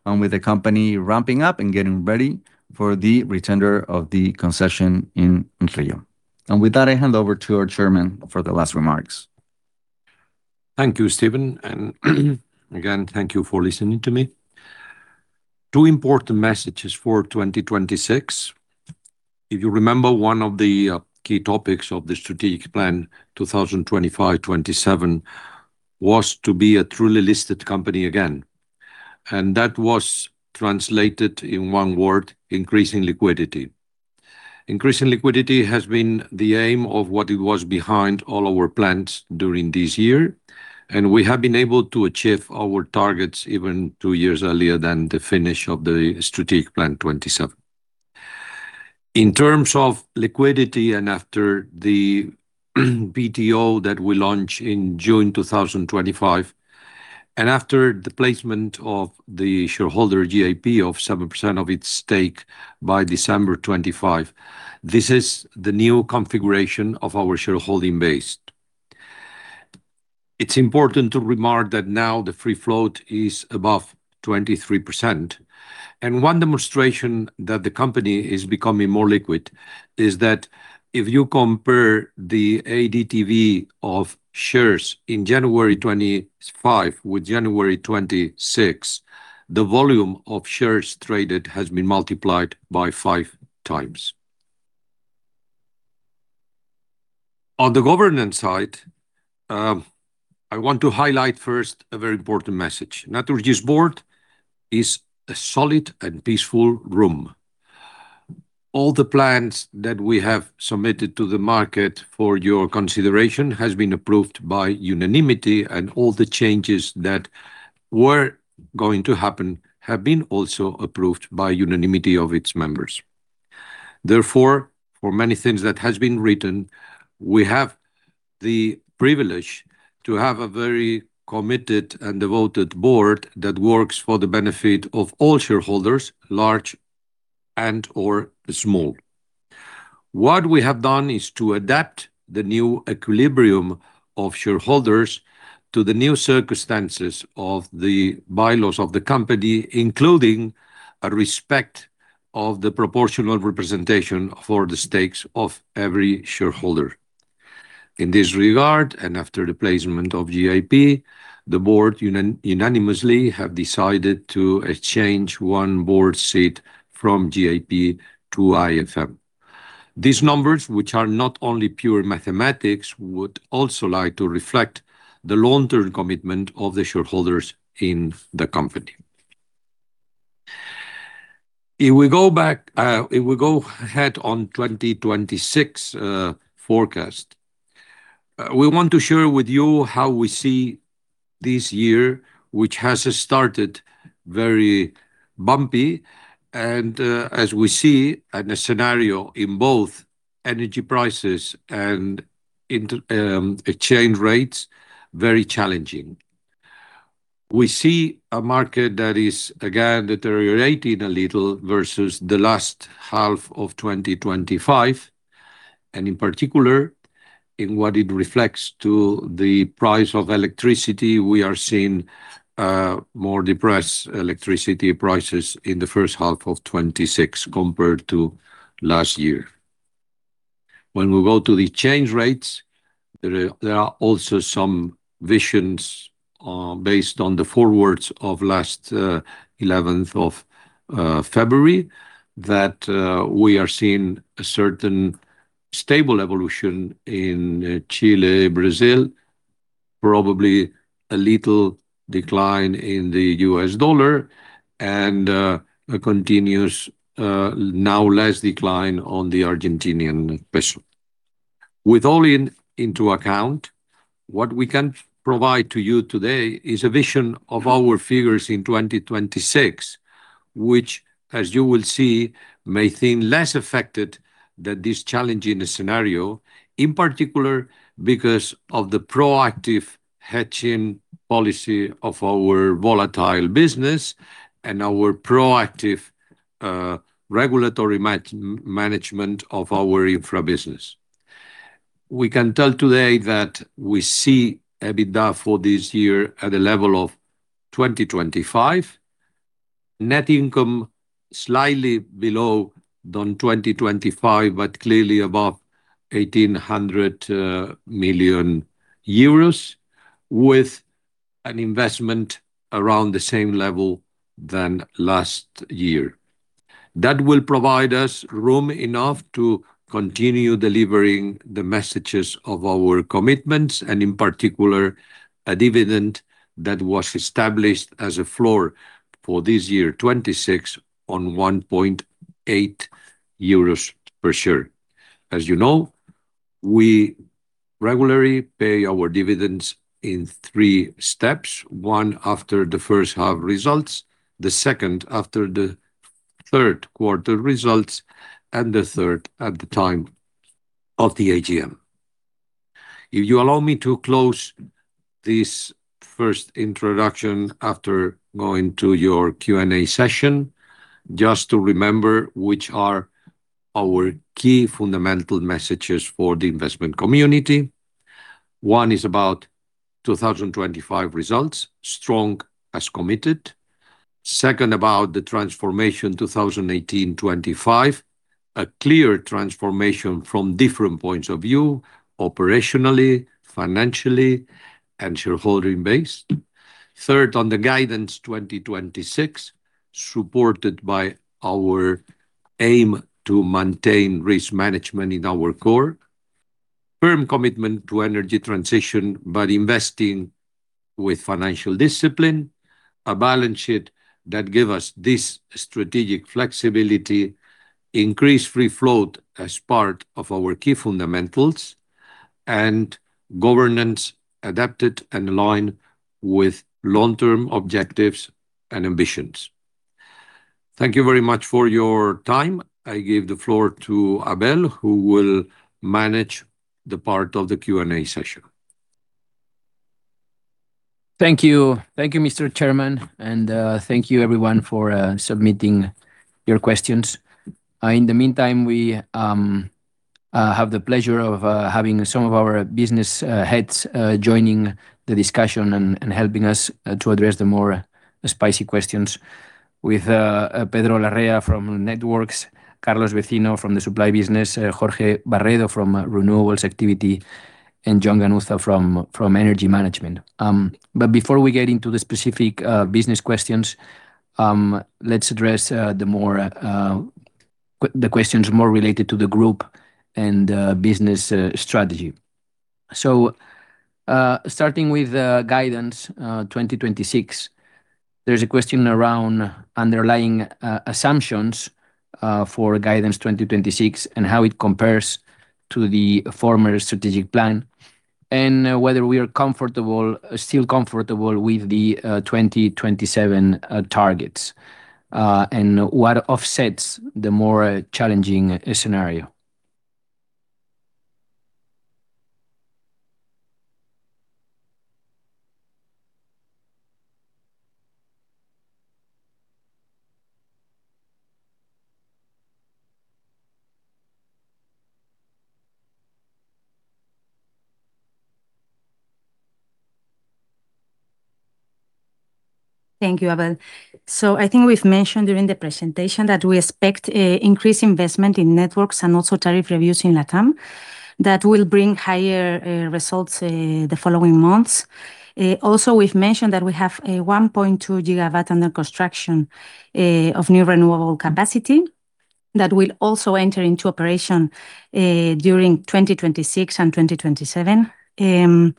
and with the company ramping up and getting ready for the re-tender of the concession in Chile. With that, I hand over to our chairman for the last remarks. Thank you, Steven, and again, thank you for listening to me. Two important messages for 2026. If you remember, one of the key topics of the strategic plan 2025-2027 was to be a truly listed company again, and that was translated in one word: increasing liquidity. Increasing liquidity has been the aim of what it was behind all our plans during this year, and we have been able to achieve our targets even two years earlier than the finish of the strategic plan 2027. In terms of liquidity, and after the VTO that we launched in June 2025, and after the placement of the shareholder GIP of 7% of its stake by December 2025, this is the new configuration of our shareholding base. It's important to remark that now the free float is above 23%, and one demonstration that the company is becoming more liquid is that if you compare the ADTV of shares in January 2025 with January 2026, the volume of shares traded has been multiplied by 5 times. On the governance side, I want to highlight first a very important message. Naturgy's Board is a solid and peaceful room. All the plans that we have submitted to the market for your consideration has been approved by unanimity, and all the changes that were going to happen have been also approved by unanimity of its members. Therefore, for many things that has been written, we have the privilege to have a very committed and devoted Board that works for the benefit of all shareholders, large and/or small. What we have done is to adapt the new equilibrium of shareholders to the new circumstances of the bylaws of the company, including a respect of the proportional representation for the stakes of every shareholder. In this regard, and after the placement of GIP, the Board unanimously have decided to exchange one Board seat from GIP to IFM. These numbers, which are not only pure mathematics, would also like to reflect the long-term commitment of the shareholders in the company. If we go back, if we go ahead on 2026 forecast, we want to share with you how we see this year, which has started very bumpy and, as we see, and the scenario in both energy prices and exchange rates, very challenging. We see a market that is, again, deteriorating a little versus the last half of 2025, and in particular, in what it reflects to the price of electricity, we are seeing more depressed electricity prices in the first half of 2026 compared to last year. When we go to the exchange rates, there are also some versions based on the forwards of last 11th of February that we are seeing a certain stable evolution in Chile, Brazil, probably a little decline in the US dollar, and a continuous, now less decline on the Argentine peso. With all this into account, what we can provide to you today is a vision of our figures in 2026, which, as you will see, may seem less affected than this challenging scenario, in particular, because of the proactive hedging policy of our volatile business and our proactive regulatory management of our infra business. We can tell today that we see EBITDA for this year at a level of 2025. Net income slightly below than 2025, but clearly above 1,800 million euros, with an investment around the same level than last year. That will provide us room enough to continue delivering the messages of our commitments, and in particular, a dividend that was established as a floor for this year, 2026, on 1.8 euros per share. As you know, we regularly pay our dividends in 3 steps: one after the first half results, the second after the third quarter results, and the third at the time of the AGM. If you allow me to close this first introduction after going to your Q&A session, just to remember, which are our key fundamental messages for the investment community? One is about 2025 results, strong as committed. Second, about the transformation 2018-2025, a clear transformation from different points of view, operationally, financially, and shareholding base. Third, on the guidance 2026, supported by our aim to maintain risk management in our core. Firm commitment to energy transition by investing with financial discipline, a balance sheet that give us this strategic flexibility, increase free float as part of our key fundamentals, and governance adapted and aligned with long-term objectives and ambitions. Thank you very much for your time. I give the floor to Abel, who will manage the part of the Q&A session. Thank you. Thank you, Mr. Chairman, and thank you everyone for submitting your questions. In the meantime, we have the pleasure of having some of our business heads joining the discussion and helping us to address the more spicy questions with Pedro Larrea from Networks, Carlos Vecino from the Supply business, Jorge Barredo from Renewables activity, and Jon Ganuza from Energy Management. But before we get into the specific business questions, let's address the more the questions more related to the group and business strategy. So, starting with the guidance, 2026, there's a question around underlying assumptions for guidance 2026, and how it compares to the former strategic plan, and whether we are comfortable... Still comfortable with the 2027 targets, and what offsets the more challenging scenario? Thank you, Abel. I think we've mentioned during the presentation that we expect increased investment in networks and also tariff reviews in Latam, that will bring higher results the following months. Also, we've mentioned that we have 1.2 GW under construction of new renewable capacity that will also enter into operation during 2026 and 2027.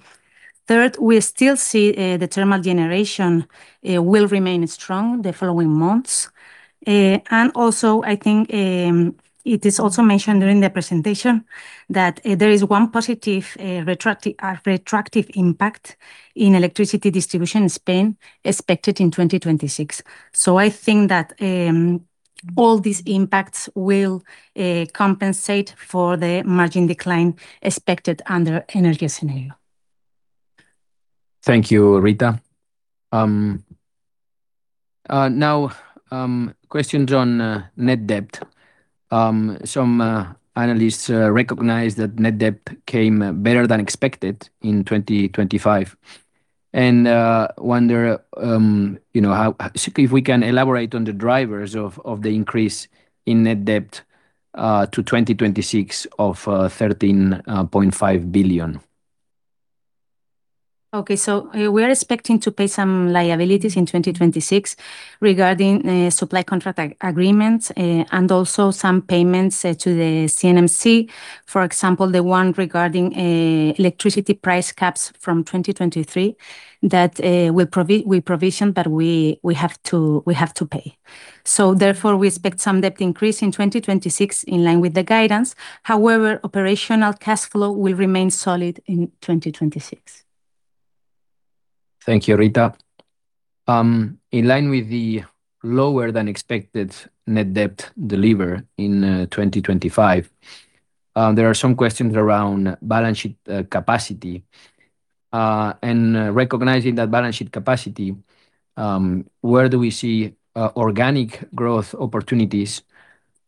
Third, we still see the thermal generation will remain strong the following months. I think it is also mentioned during the presentation that there is one positive retroactive impact in electricity distribution in Spain, expected in 2026. I think that all these impacts will compensate for the margin decline expected under energy scenario. Thank you, Rita. Now, questions on Net Debt. Some analysts recognize that Net Debt came better than expected in 2025, and wonder, you know, how if we can elaborate on the drivers of the increase in Net Debt to 2026 of 13.5 billion. Okay, so we are expecting to pay some liabilities in 2026 regarding supply contract agreements, and also some payments to the CNMC. For example, the one regarding electricity price caps from 2023, that we provision, but we have to pay. So therefore, we expect some debt increase in 2026 in line with the guidance. However, operational cash flow will remain solid in 2026. Thank you, Rita. In line with the lower-than-expected net debt deliver in 2025, there are some questions around balance sheet capacity. And recognizing that balance sheet capacity, where do we see organic growth opportunities?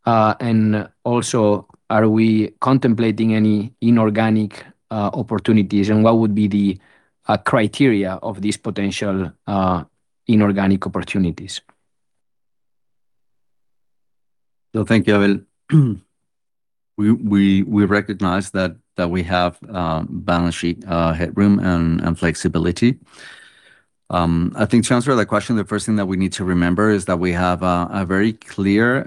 And also, are we contemplating any inorganic opportunities, and what would be the criteria of these potential inorganic opportunities? So thank you, Abel. We recognize that we have balance sheet headroom and flexibility. I think to answer that question, the first thing that we need to remember is that we have a very clear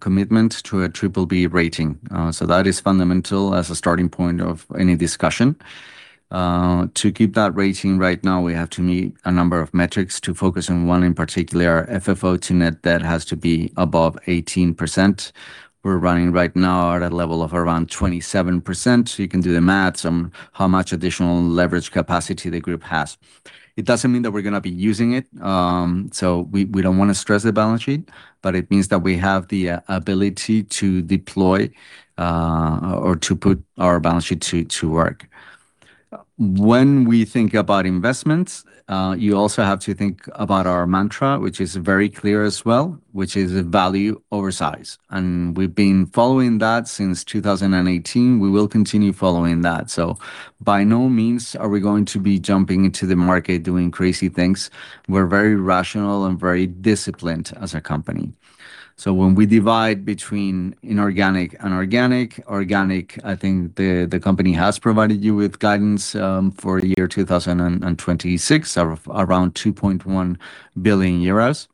commitment to a BBB rating. So that is fundamental as a starting point of any discussion. To keep that rating right now, we have to meet a number of metrics. To focus on one in particular, our FFO to net debt has to be above 18%. We're running right now at a level of around 27%, so you can do the math on how much additional leverage capacity the group has. It doesn't mean that we're gonna be using it, so we don't want to stress the balance sheet, but it means that we have the ability to deploy or to put our balance sheet to work. When we think about investments, you also have to think about our mantra, which is very clear as well, which is value over size, and we've been following that since 2018. We will continue following that. So by no means are we going to be jumping into the market, doing crazy things. We're very rational and very disciplined as a company. So when we divide between inorganic and organic, I think the company has provided you with guidance for the year 2026, of around 2.1 billion euros.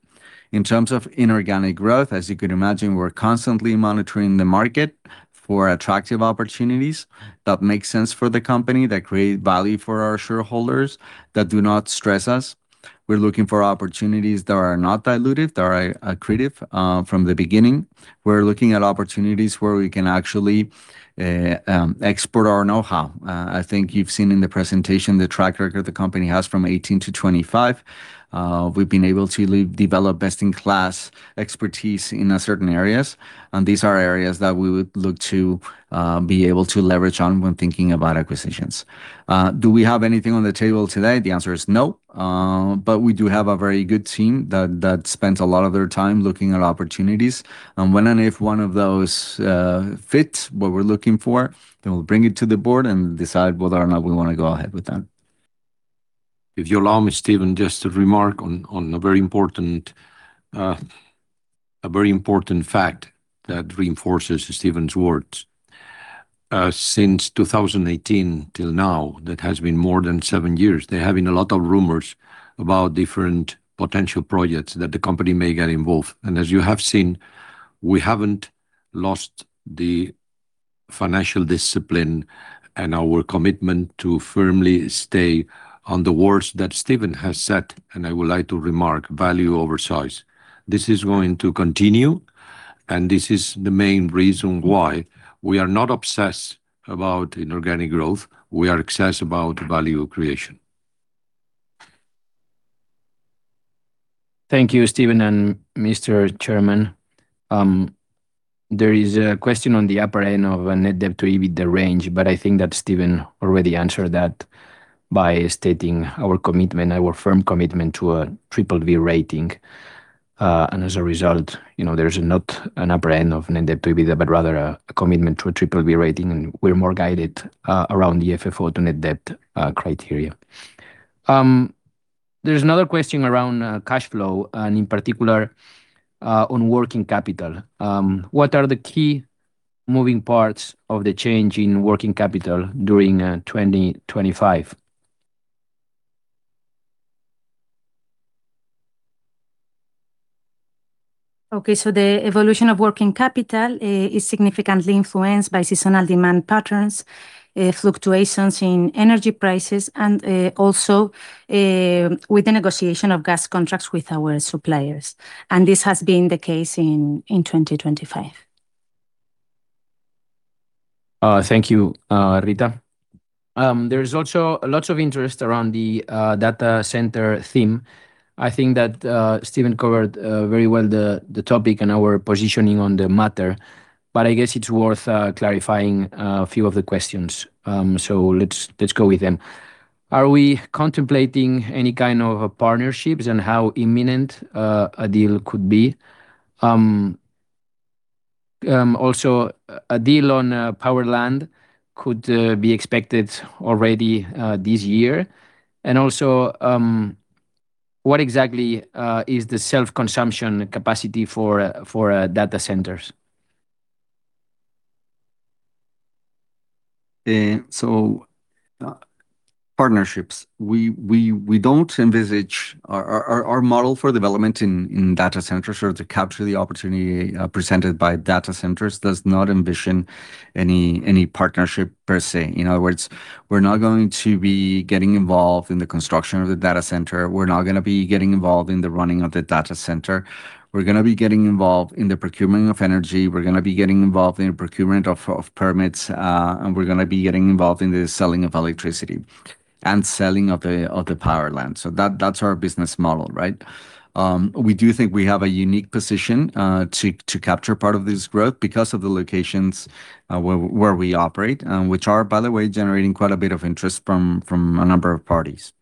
In terms of inorganic growth, as you can imagine, we're constantly monitoring the market for attractive opportunities that make sense for the company, that create value for our shareholders, that do not stress us. We're looking for opportunities that are not dilutive, that are accretive from the beginning. We're looking at opportunities where we can actually export our know-how. I think you've seen in the presentation the track record the company has from 2018 to 2025. We've been able to develop best-in-class expertise in certain areas, and these are areas that we would look to be able to leverage on when thinking about acquisitions. Do we have anything on the table today? The answer is no. But we do have a very good team that, that spends a lot of their time looking at opportunities, and when and if one of those fits what we're looking for, then we'll bring it to the Board and decide whether or not we want to go ahead with that. If you allow me, Steven, just to remark on a very important, a very important fact that reinforces Steven's words. Since 2018 till now, that has been more than seven years, there have been a lot of rumors about different potential projects that the company may get involved. And as you have seen, we haven't lost the financial discipline and our commitment to firmly stay on the words that Steven has said, and I would like to remark: value over size. This is going to continue, and this is the main reason why we are not obsessed about inorganic growth. We are obsessed about value creation. Thank you, Steven and Mr. Chairman. There is a question on the upper end of a net debt to EBITDA range, but I think that Steven already answered that by stating our commitment, our firm commitment to a BBB rating. And as a result, you know, there's not an upper end of net debt to EBITDA, but rather a commitment to a BBB rating, and we're more guided around the FFO to net debt criteria. There's another question around cash flow, and in particular, on working capital. What are the key moving parts of the change in working capital during 2025? Okay, the evolution of working capital is significantly influenced by seasonal demand patterns, fluctuations in energy prices, and also with the negotiation of gas contracts with our suppliers, and this has been the case in 2025.... Thank you, Rita. There is also lots of interest around the data center theme. I think that Steven covered very well the topic and our positioning on the matter, but I guess it's worth clarifying a few of the questions. So let's go with them. Are we contemplating any kind of partnerships, and how imminent a deal could be? Also, a deal on powered land could be expected already this year? And also, what exactly is the self-consumption capacity for data centers? Partnerships. We don't envisage... Our model for development in data centers or to capture the opportunity presented by data centers does not envision any partnership per se. In other words, we're not going to be getting involved in the construction of the data center. We're not gonna be getting involved in the running of the data center. We're gonna be getting involved in the procurement of energy. We're gonna be getting involved in the procurement of permits, and we're gonna be getting involved in the selling of electricity and selling of the powered land. So that's our business model, right? We do think we have a unique position to capture part of this growth because of the locations where we operate, which are, by the way, generating quite a bit of interest from a number of parties.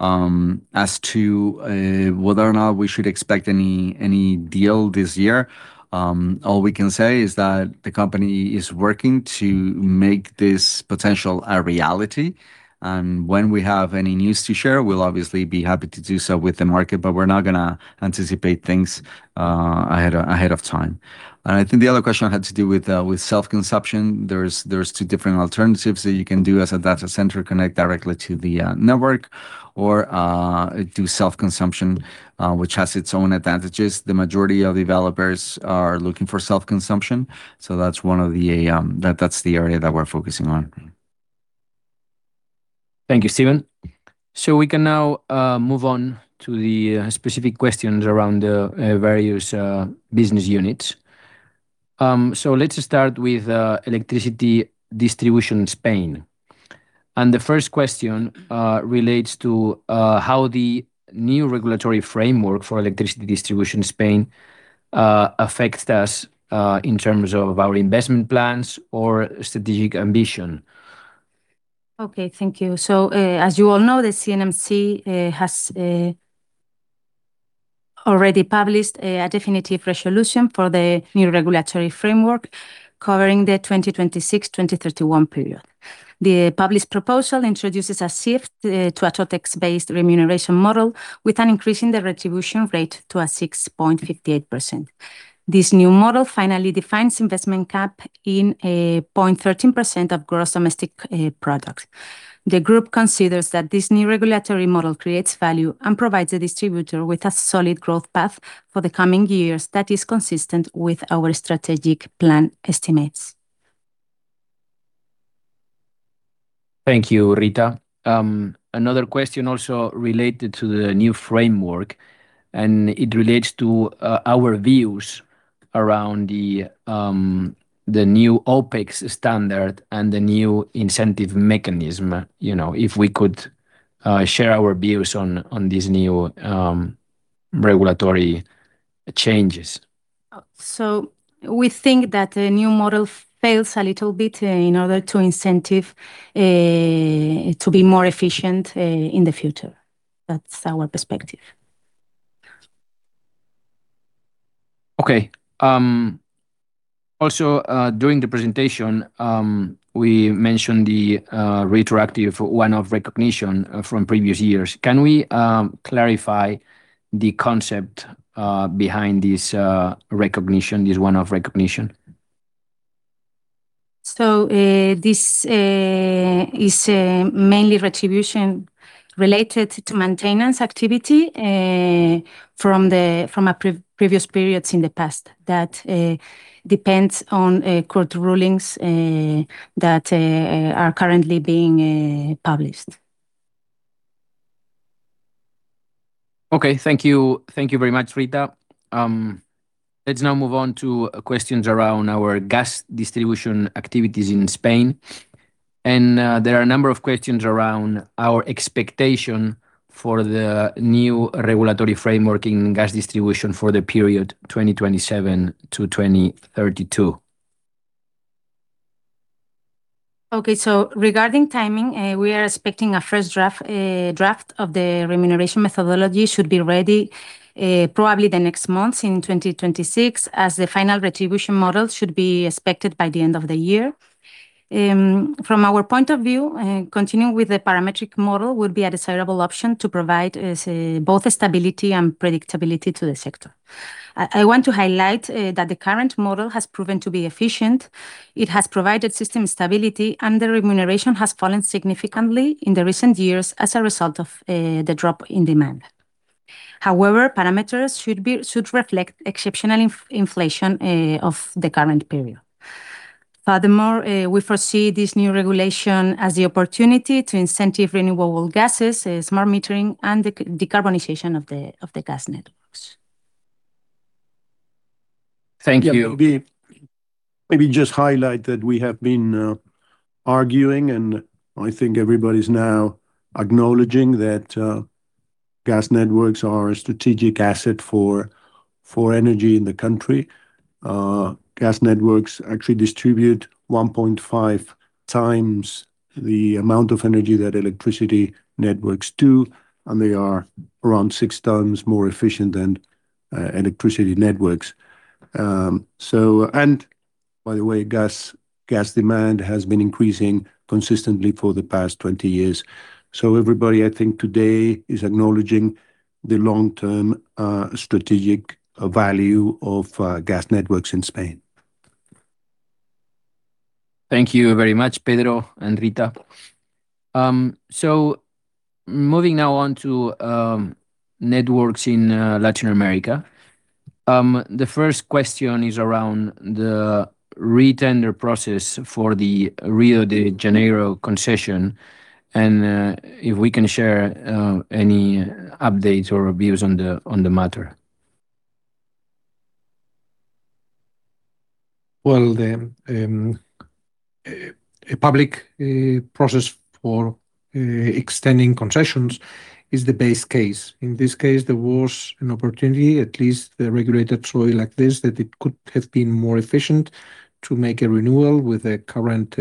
As to whether or not we should expect any deal this year, all we can say is that the company is working to make this potential a reality, and when we have any news to share, we'll obviously be happy to do so with the market, but we're not gonna anticipate things ahead of time. And I think the other question had to do with self-consumption. There's two different alternatives that you can do as a data center: connect directly to the network or do self-consumption, which has its own advantages. The majority of developers are looking for self-consumption, so that's one of the... That's the area that we're focusing on. Thank you, Steven. So we can now move on to the specific questions around the various business units. So let's start with electricity distribution in Spain. The first question relates to how the new regulatory framework for electricity distribution in Spain affects us in terms of our investment plans or strategic ambition. Okay, thank you. So, as you all know, the CNMC has already published a definitive resolution for the new regulatory framework covering the 2026/2031 period. The published proposal introduces a shift to a TOTEX-based remuneration model, with an increase in the remuneration rate to 6.58%. This new model finally defines investment cap in 0.13% of gross domestic product. The group considers that this new regulatory model creates value and provides the distributor with a solid growth path for the coming years that is consistent with our strategic plan estimates. Thank you, Rita. Another question also related to the new framework, and it relates to our views around the new OPEX standard and the new incentive mechanism. You know, if we could share our views on these new regulatory changes. Oh, so we think that the new model fails a little bit in order to incentive to be more efficient in the future. That's our perspective. Okay, also, during the presentation, we mentioned the retroactive one-off recognition from previous years. Can we clarify the concept behind this recognition, this one-off recognition? So, this is mainly retribution related to maintenance activity from previous periods in the past that depends on court rulings that are currently being published. Okay, thank you. Thank you very much, Rita. Let's now move on to questions around our gas distribution activities in Spain, and there are a number of questions around our expectation for the new regulatory framework in gas distribution for the period 2027 to 2032. Okay, so regarding timing, we are expecting a first draft of the remuneration methodology should be ready, probably the next month in 2026, as the final remuneration model should be expected by the end of the year. From our point of view, continuing with the parametric model would be a desirable option to provide, say, both stability and predictability to the sector. I want to highlight that the current model has proven to be efficient. It has provided system stability, and the remuneration has fallen significantly in the recent years as a result of the drop in demand. However, parameters should reflect exceptional inflation of the current period. Furthermore, we foresee this new regulation as the opportunity to incentivize renewable gases, smart metering, and the decarbonization of the gas networks.... Thank you. Maybe, maybe just highlight that we have been arguing, and I think everybody's now acknowledging that gas networks are a strategic asset for energy in the country. Gas networks actually distribute 1.5 times the amount of energy that electricity networks do, and they are around six times more efficient than electricity networks. So and by the way, gas, gas demand has been increasing consistently for the past 20 years. So everybody, I think, today is acknowledging the long-term strategic value of gas networks in Spain. Thank you very much, Pedro and Rita. So moving now on to networks in Latin America. The first question is around the re-tender process for the Rio de Janeiro concession, and if we can share any updates or views on the matter. Well, a public process for extending concessions is the base case. In this case, there was an opportunity, at least the regulated entity like this, that it could have been more efficient to make a renewal with a current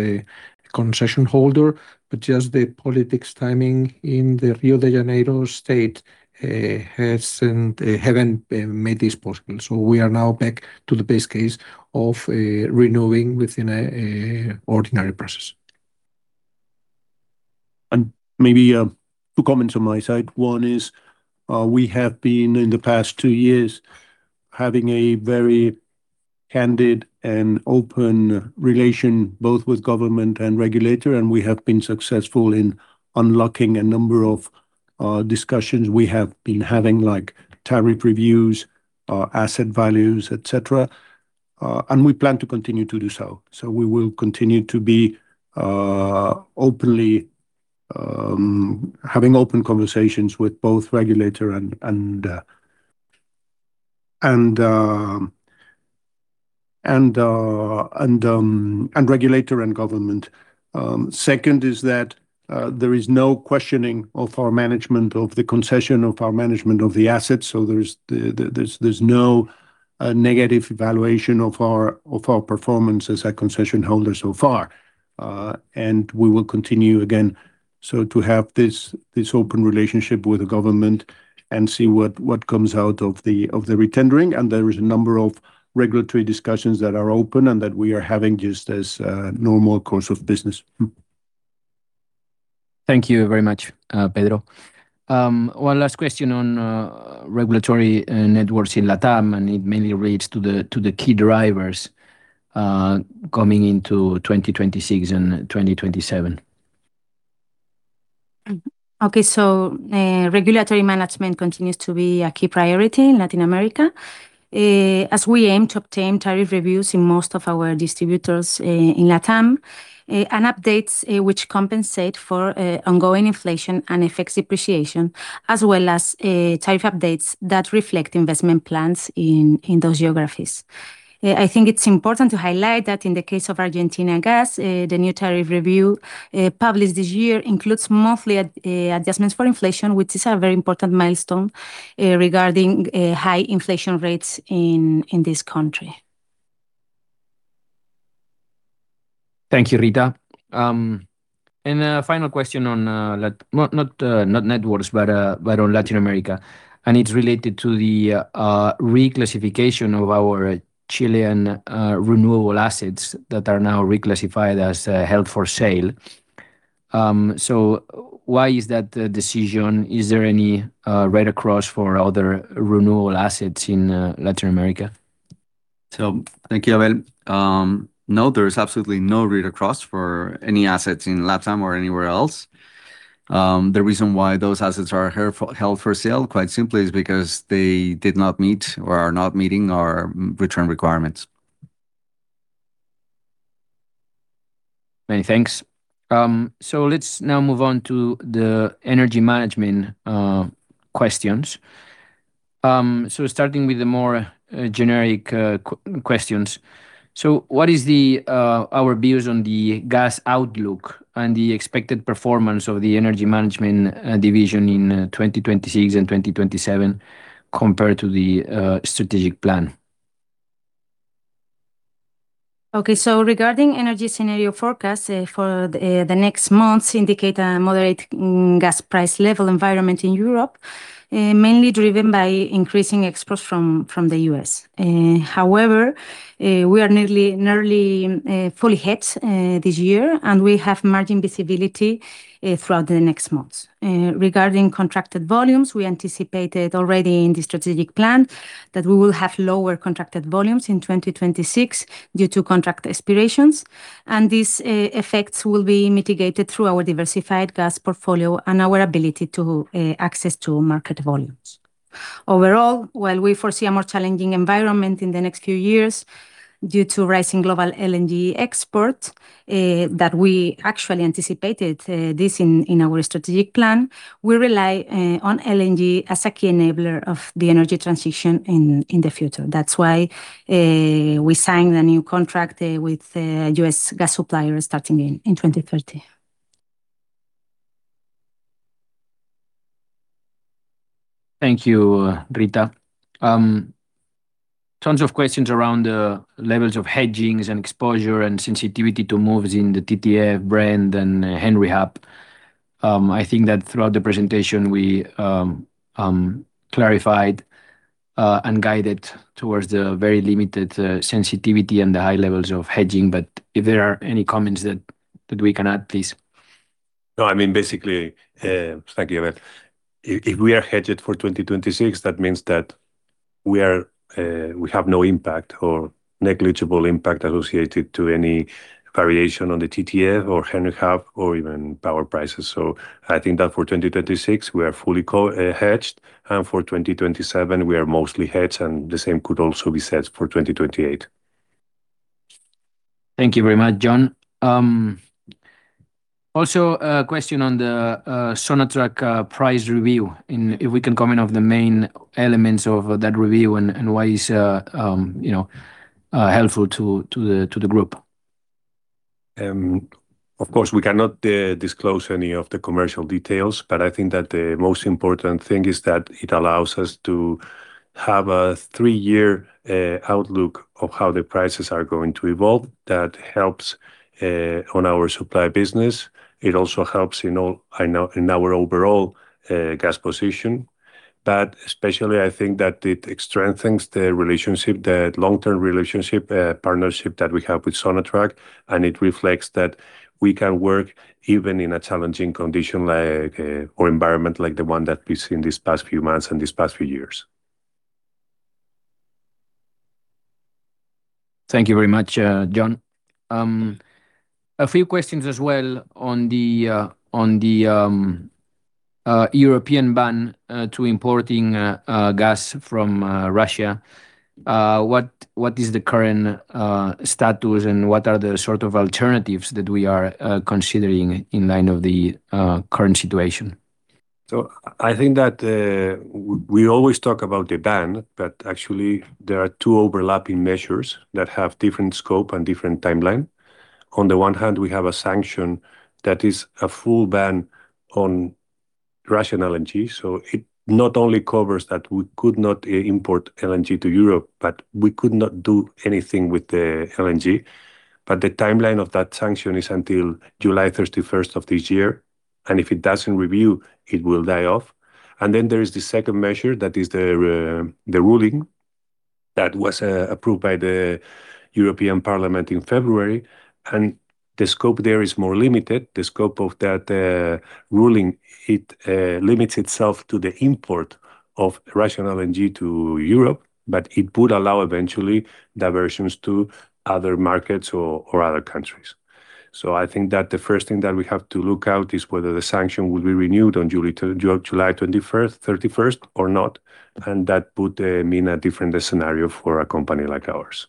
concession holder. But the political timing in the Rio de Janeiro state hasn't made this possible. So we are now back to the base case of renewing within an ordinary process. Maybe, two comments on my side. One is, we have been, in the past two years, having a very candid and open relation, both with government and regulator, and we have been successful in unlocking a number of discussions we have been having, like tariff reviews, asset values, et cetera, and we plan to continue to do so. We will continue to be openly having open conversations with both regulator and government. Second is that there is no questioning of our management, of the concession of our management of the assets, so there's no negative evaluation of our performance as a concession holder so far. And we will continue again, so to have this open relationship with the government and see what comes out of the retendering, and there is a number of regulatory discussions that are open and that we are having just as a normal course of business. Thank you very much, Pedro. One last question on regulatory networks in Latam, and it mainly relates to the key drivers coming into 2026 and 2027. Okay. Regulatory management continues to be a key priority in Latin America, as we aim to obtain tariff reviews in most of our distributors in LatAm, and updates which compensate for ongoing inflation and FX depreciation, as well as tariff updates that reflect investment plans in those geographies. I think it's important to highlight that in the case of Argentina gas, the new tariff review published this year includes monthly adjustments for inflation, which is a very important milestone regarding high inflation rates in this country. Thank you, Rita. And a final question on, not networks, but on Latin America, and it's related to the reclassification of our Chilean renewable assets that are now reclassified as held for sale. So why is that the decision? Is there any read-across for other renewable assets in Latin America? So thank you, Abel. No, there is absolutely no read-across for any assets in Latam or anywhere else. The reason why those assets are held for sale, quite simply, is because they did not meet or are not meeting our return requirements. Many thanks. So let's now move on to the Energy Management questions. So starting with the more generic questions. So what is the our views on the gas outlook and the expected performance of the Energy Management division in 2026 and 2027 compared to the strategic plan? Okay. So regarding energy scenario forecast for the next months indicate a moderate gas price level environment in Europe mainly driven by increasing exports from the U.S. However, we are nearly fully hedged this year, and we have margin visibility throughout the next months. Regarding contracted volumes, we anticipated already in the strategic plan that we will have lower contracted volumes in 2026 due to contract expirations, and these effects will be mitigated through our diversified gas portfolio and our ability to access to market volumes. Overall, while we foresee a more challenging environment in the next few years due to rising global LNG exports that we actually anticipated this in our strategic plan. We rely on LNG as a key enabler of the energy transition in the future. That's why we signed a new contract with a US gas supplier starting in 2030. Thank you, Rita. Tons of questions around the levels of hedgings and exposure and sensitivity to moves in the TTF, Brent and Henry Hub. I think that throughout the presentation, we clarified and guided towards the very limited sensitivity and the high levels of hedging. But if there are any comments that we can add, please. No, I mean, basically, thank you, Abel. If we are hedged for 2026, that means that we are, we have no impact or negligible impact associated to any variation on the TTF or Henry Hub or even power prices. So I think that for 2026, we are fully hedged, and for 2027, we are mostly hedged, and the same could also be said for 2028. Thank you very much, Jon. Also, a question on the Sonatrach price review, and if we can comment on the main elements of that review and why it's, you know, helpful to the group? Of course, we cannot disclose any of the commercial details, but I think that the most important thing is that it allows us to have a three-year outlook of how the prices are going to evolve. That helps on our supply business. It also helps in all, in our, in our overall gas position. But especially, I think that it strengthens the relationship, the long-term relationship, partnership that we have with Sonatrach, and it reflects that we can work even in a challenging condition, like or environment like the one that we've seen these past few months and these past few years. Thank you very much, Jon. A few questions as well on the European ban to importing gas from Russia. What is the current status, and what are the sort of alternatives that we are considering in line of the current situation? So I think that we always talk about the ban, but actually, there are two overlapping measures that have different scope and different timeline. On the one hand, we have a sanction that is a full ban on Russian LNG, so it not only covers that we could not import LNG to Europe, but we could not do anything with the LNG. But the timeline of that sanction is until July thirty-first of this year, and if it doesn't review, it will die off. And then there is the second measure, that is the the ruling that was approved by the European Parliament in February, and the scope there is more limited. The scope of that ruling it limits itself to the import of Russian LNG to Europe, but it would allow eventually diversions to other markets or other countries. I think that the first thing that we have to look out is whether the sanction will be renewed on July 21, July 31 or not, and that would, you know, mean a different scenario for a company like ours.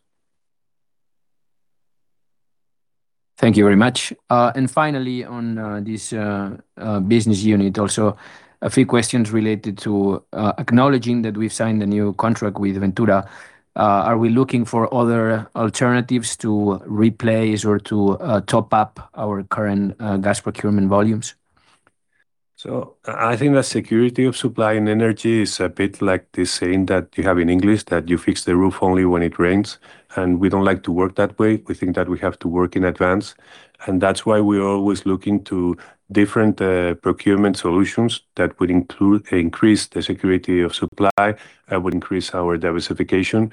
Thank you very much. And finally, on this business unit, also a few questions related to acknowledging that we've signed a new contract with Venture Global. Are we looking for other alternatives to replace or to top up our current gas procurement volumes? So I think that security of supply and energy is a bit like the saying that you have in English, that you fix the roof only when it rains, and we don't like to work that way. We think that we have to work in advance, and that's why we're always looking to different procurement solutions that would include increase the security of supply, that would increase our diversification.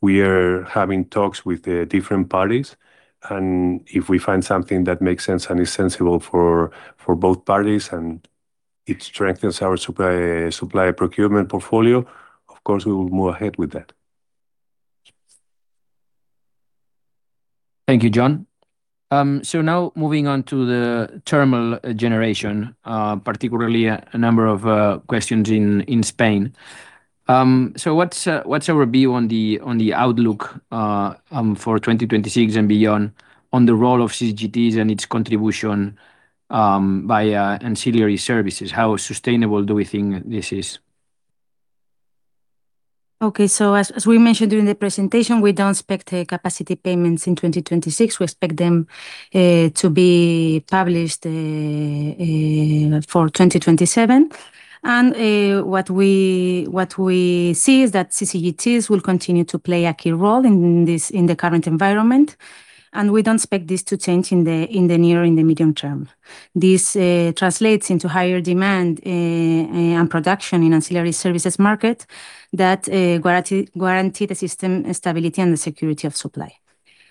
We are having talks with the different parties, and if we find something that makes sense and is sensible for both parties, and it strengthens our supply procurement portfolio, of course, we will move ahead with that. Thank you, Jon. Now moving on to the thermal generation, particularly a number of questions in Spain. What's our view on the outlook for 2026 and beyond on the role of CCGTs and its contribution via ancillary services? How sustainable do we think this is? Okay. So as we mentioned during the presentation, we don't expect the capacity payments in 2026. We expect them to be published for 2027. And what we see is that CCGTs will continue to play a key role in this current environment, and we don't expect this to change in the near and the medium term. This translates into higher demand and production in ancillary services market that guarantee the system stability and the security of supply.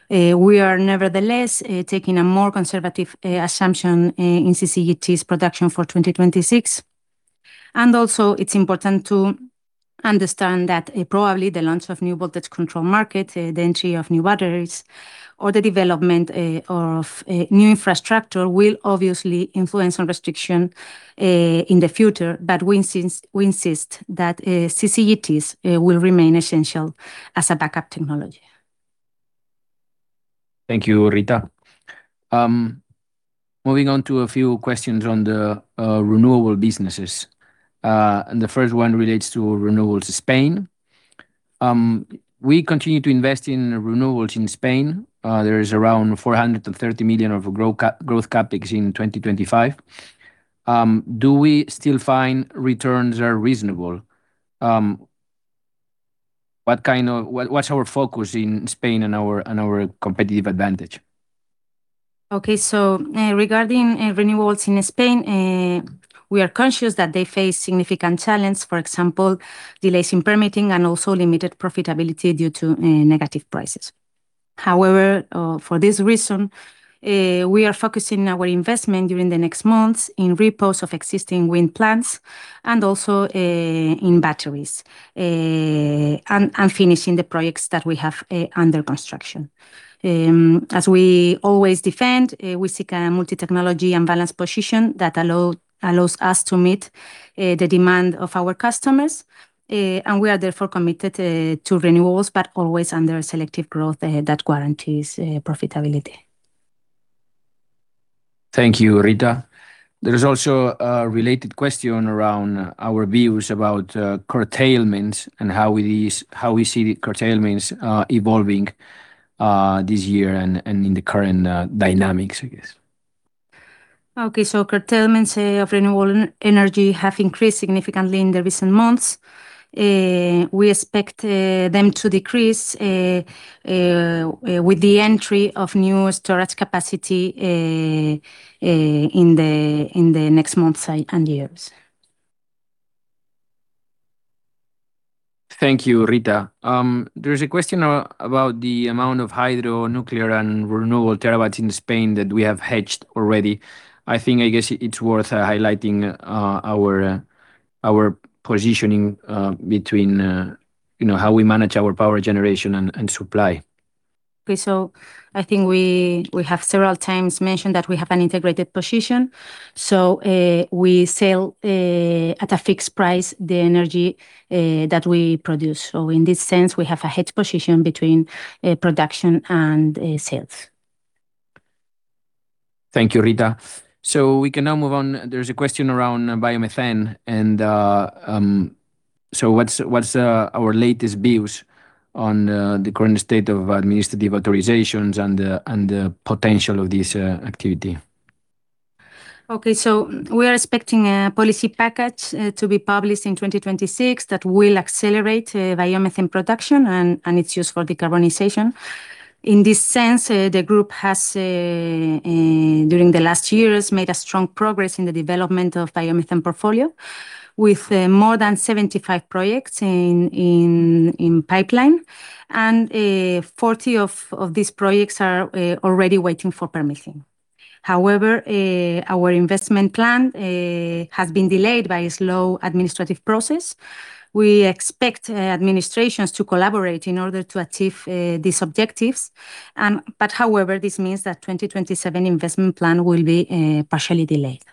We are nevertheless taking a more conservative assumption in CCGTs production for 2026. Also, it's important to understand that probably the launch of new voltage control market, the entry of new batteries, or the development of new infrastructure will obviously influence on restriction in the future. But we insist, we insist that CCGTs will remain essential as a backup technology.... Thank you, Rita. Moving on to a few questions on the renewable businesses. The first one relates to renewables in Spain. We continue to invest in renewables in Spain. There is around 430 million of growth CapEx in 2025. Do we still find returns are reasonable? What kind of—what's our focus in Spain and our competitive advantage? Okay, so regarding renewables in Spain, we are conscious that they face significant challenge, for example, delays in permitting and also limited profitability due to negative prices. However, for this reason, we are focusing our investment during the next months in repos of existing wind plants and also in batteries and finishing the projects that we have under construction. As we always defend, we seek a multi-technology and balanced position that allow, allows us to meet the demand of our customers, and we are therefore committed to renewables, but always under selective growth that guarantees profitability. Thank you, Rita. There is also a related question around our views about curtailment and how we see the curtailments evolving this year and in the current dynamics, I guess. Okay. So curtailments of renewable energy have increased significantly in the recent months. We expect them to decrease with the entry of new storage capacity in the next months and years. Thank you, Rita. There is a question about the amount of hydro, nuclear, and renewable terawatt-hours in Spain that we have hedged already. I think, I guess, it's worth highlighting our positioning between you know how we manage our power generation and supply. Okay, so I think we have several times mentioned that we have an integrated position, so we sell at a fixed price the energy that we produce. So in this sense, we have a hedge position between production and sales. Thank you, Rita. So we can now move on. There's a question around biomethane, and so what's our latest views on the current state of administrative authorizations and the potential of this activity? Okay, so we are expecting a policy package to be published in 2026 that will accelerate biomethane production and its use for decarbonization. In this sense, the group has during the last years made a strong progress in the development of biomethane portfolio, with more than 75 projects in pipeline, and 40 of these projects are already waiting for permitting. However, our investment plan has been delayed by a slow administrative process. We expect administrations to collaborate in order to achieve these objectives, but however, this means that 2027 investment plan will be partially delayed.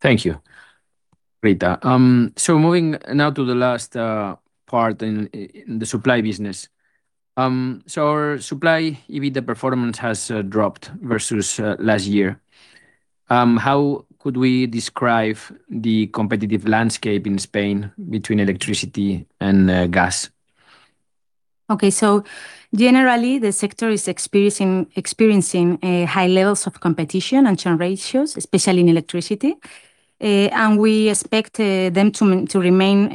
Thank you, Rita. So moving now to the last part in the supply business. So our supply, even the performance, has dropped versus last year. How could we describe the competitive landscape in Spain between electricity and gas? Okay, so generally, the sector is experiencing high levels of competition and churn ratios, especially in electricity, and we expect them to remain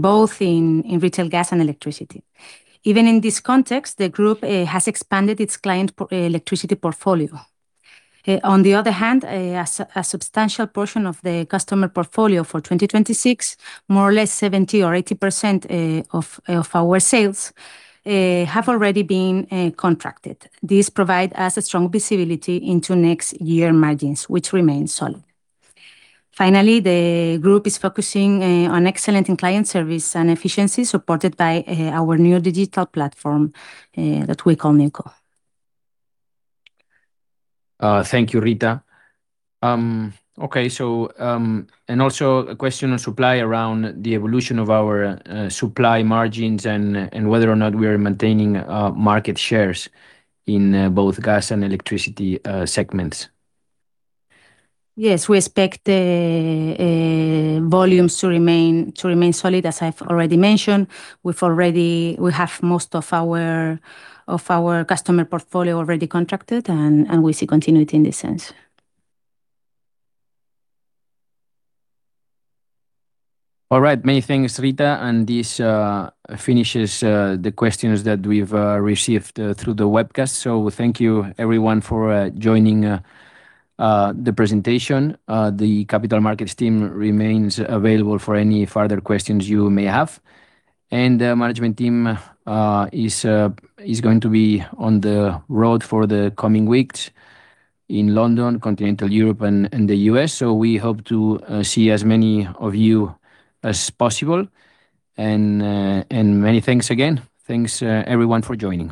both in retail gas and electricity. Even in this context, the group has expanded its client electricity portfolio. On the other hand, a substantial portion of the customer portfolio for 2026, more or less 70% or 80% of our sales, have already been contracted. This provide us a strong visibility into next year margins, which remain solid. Finally, the group is focusing on excellence in client service and efficiency, supported by our new digital platform that we call Nico. Thank you, Rita. Okay, so, and also a question on supply around the evolution of our supply margins and whether or not we are maintaining market shares in both gas and electricity segments. Yes, we expect the volumes to remain solid, as I've already mentioned. We have most of our customer portfolio already contracted, and we see continuity in this sense. All right, many thanks, Rita, and this finishes the questions that we've received through the webcast. So thank you, everyone, for joining the presentation. The capital markets team remains available for any further questions you may have. And the management team is going to be on the road for the coming weeks in London, Continental Europe, and the US. So we hope to see as many of you as possible, and many thanks again. Thanks, everyone, for joining.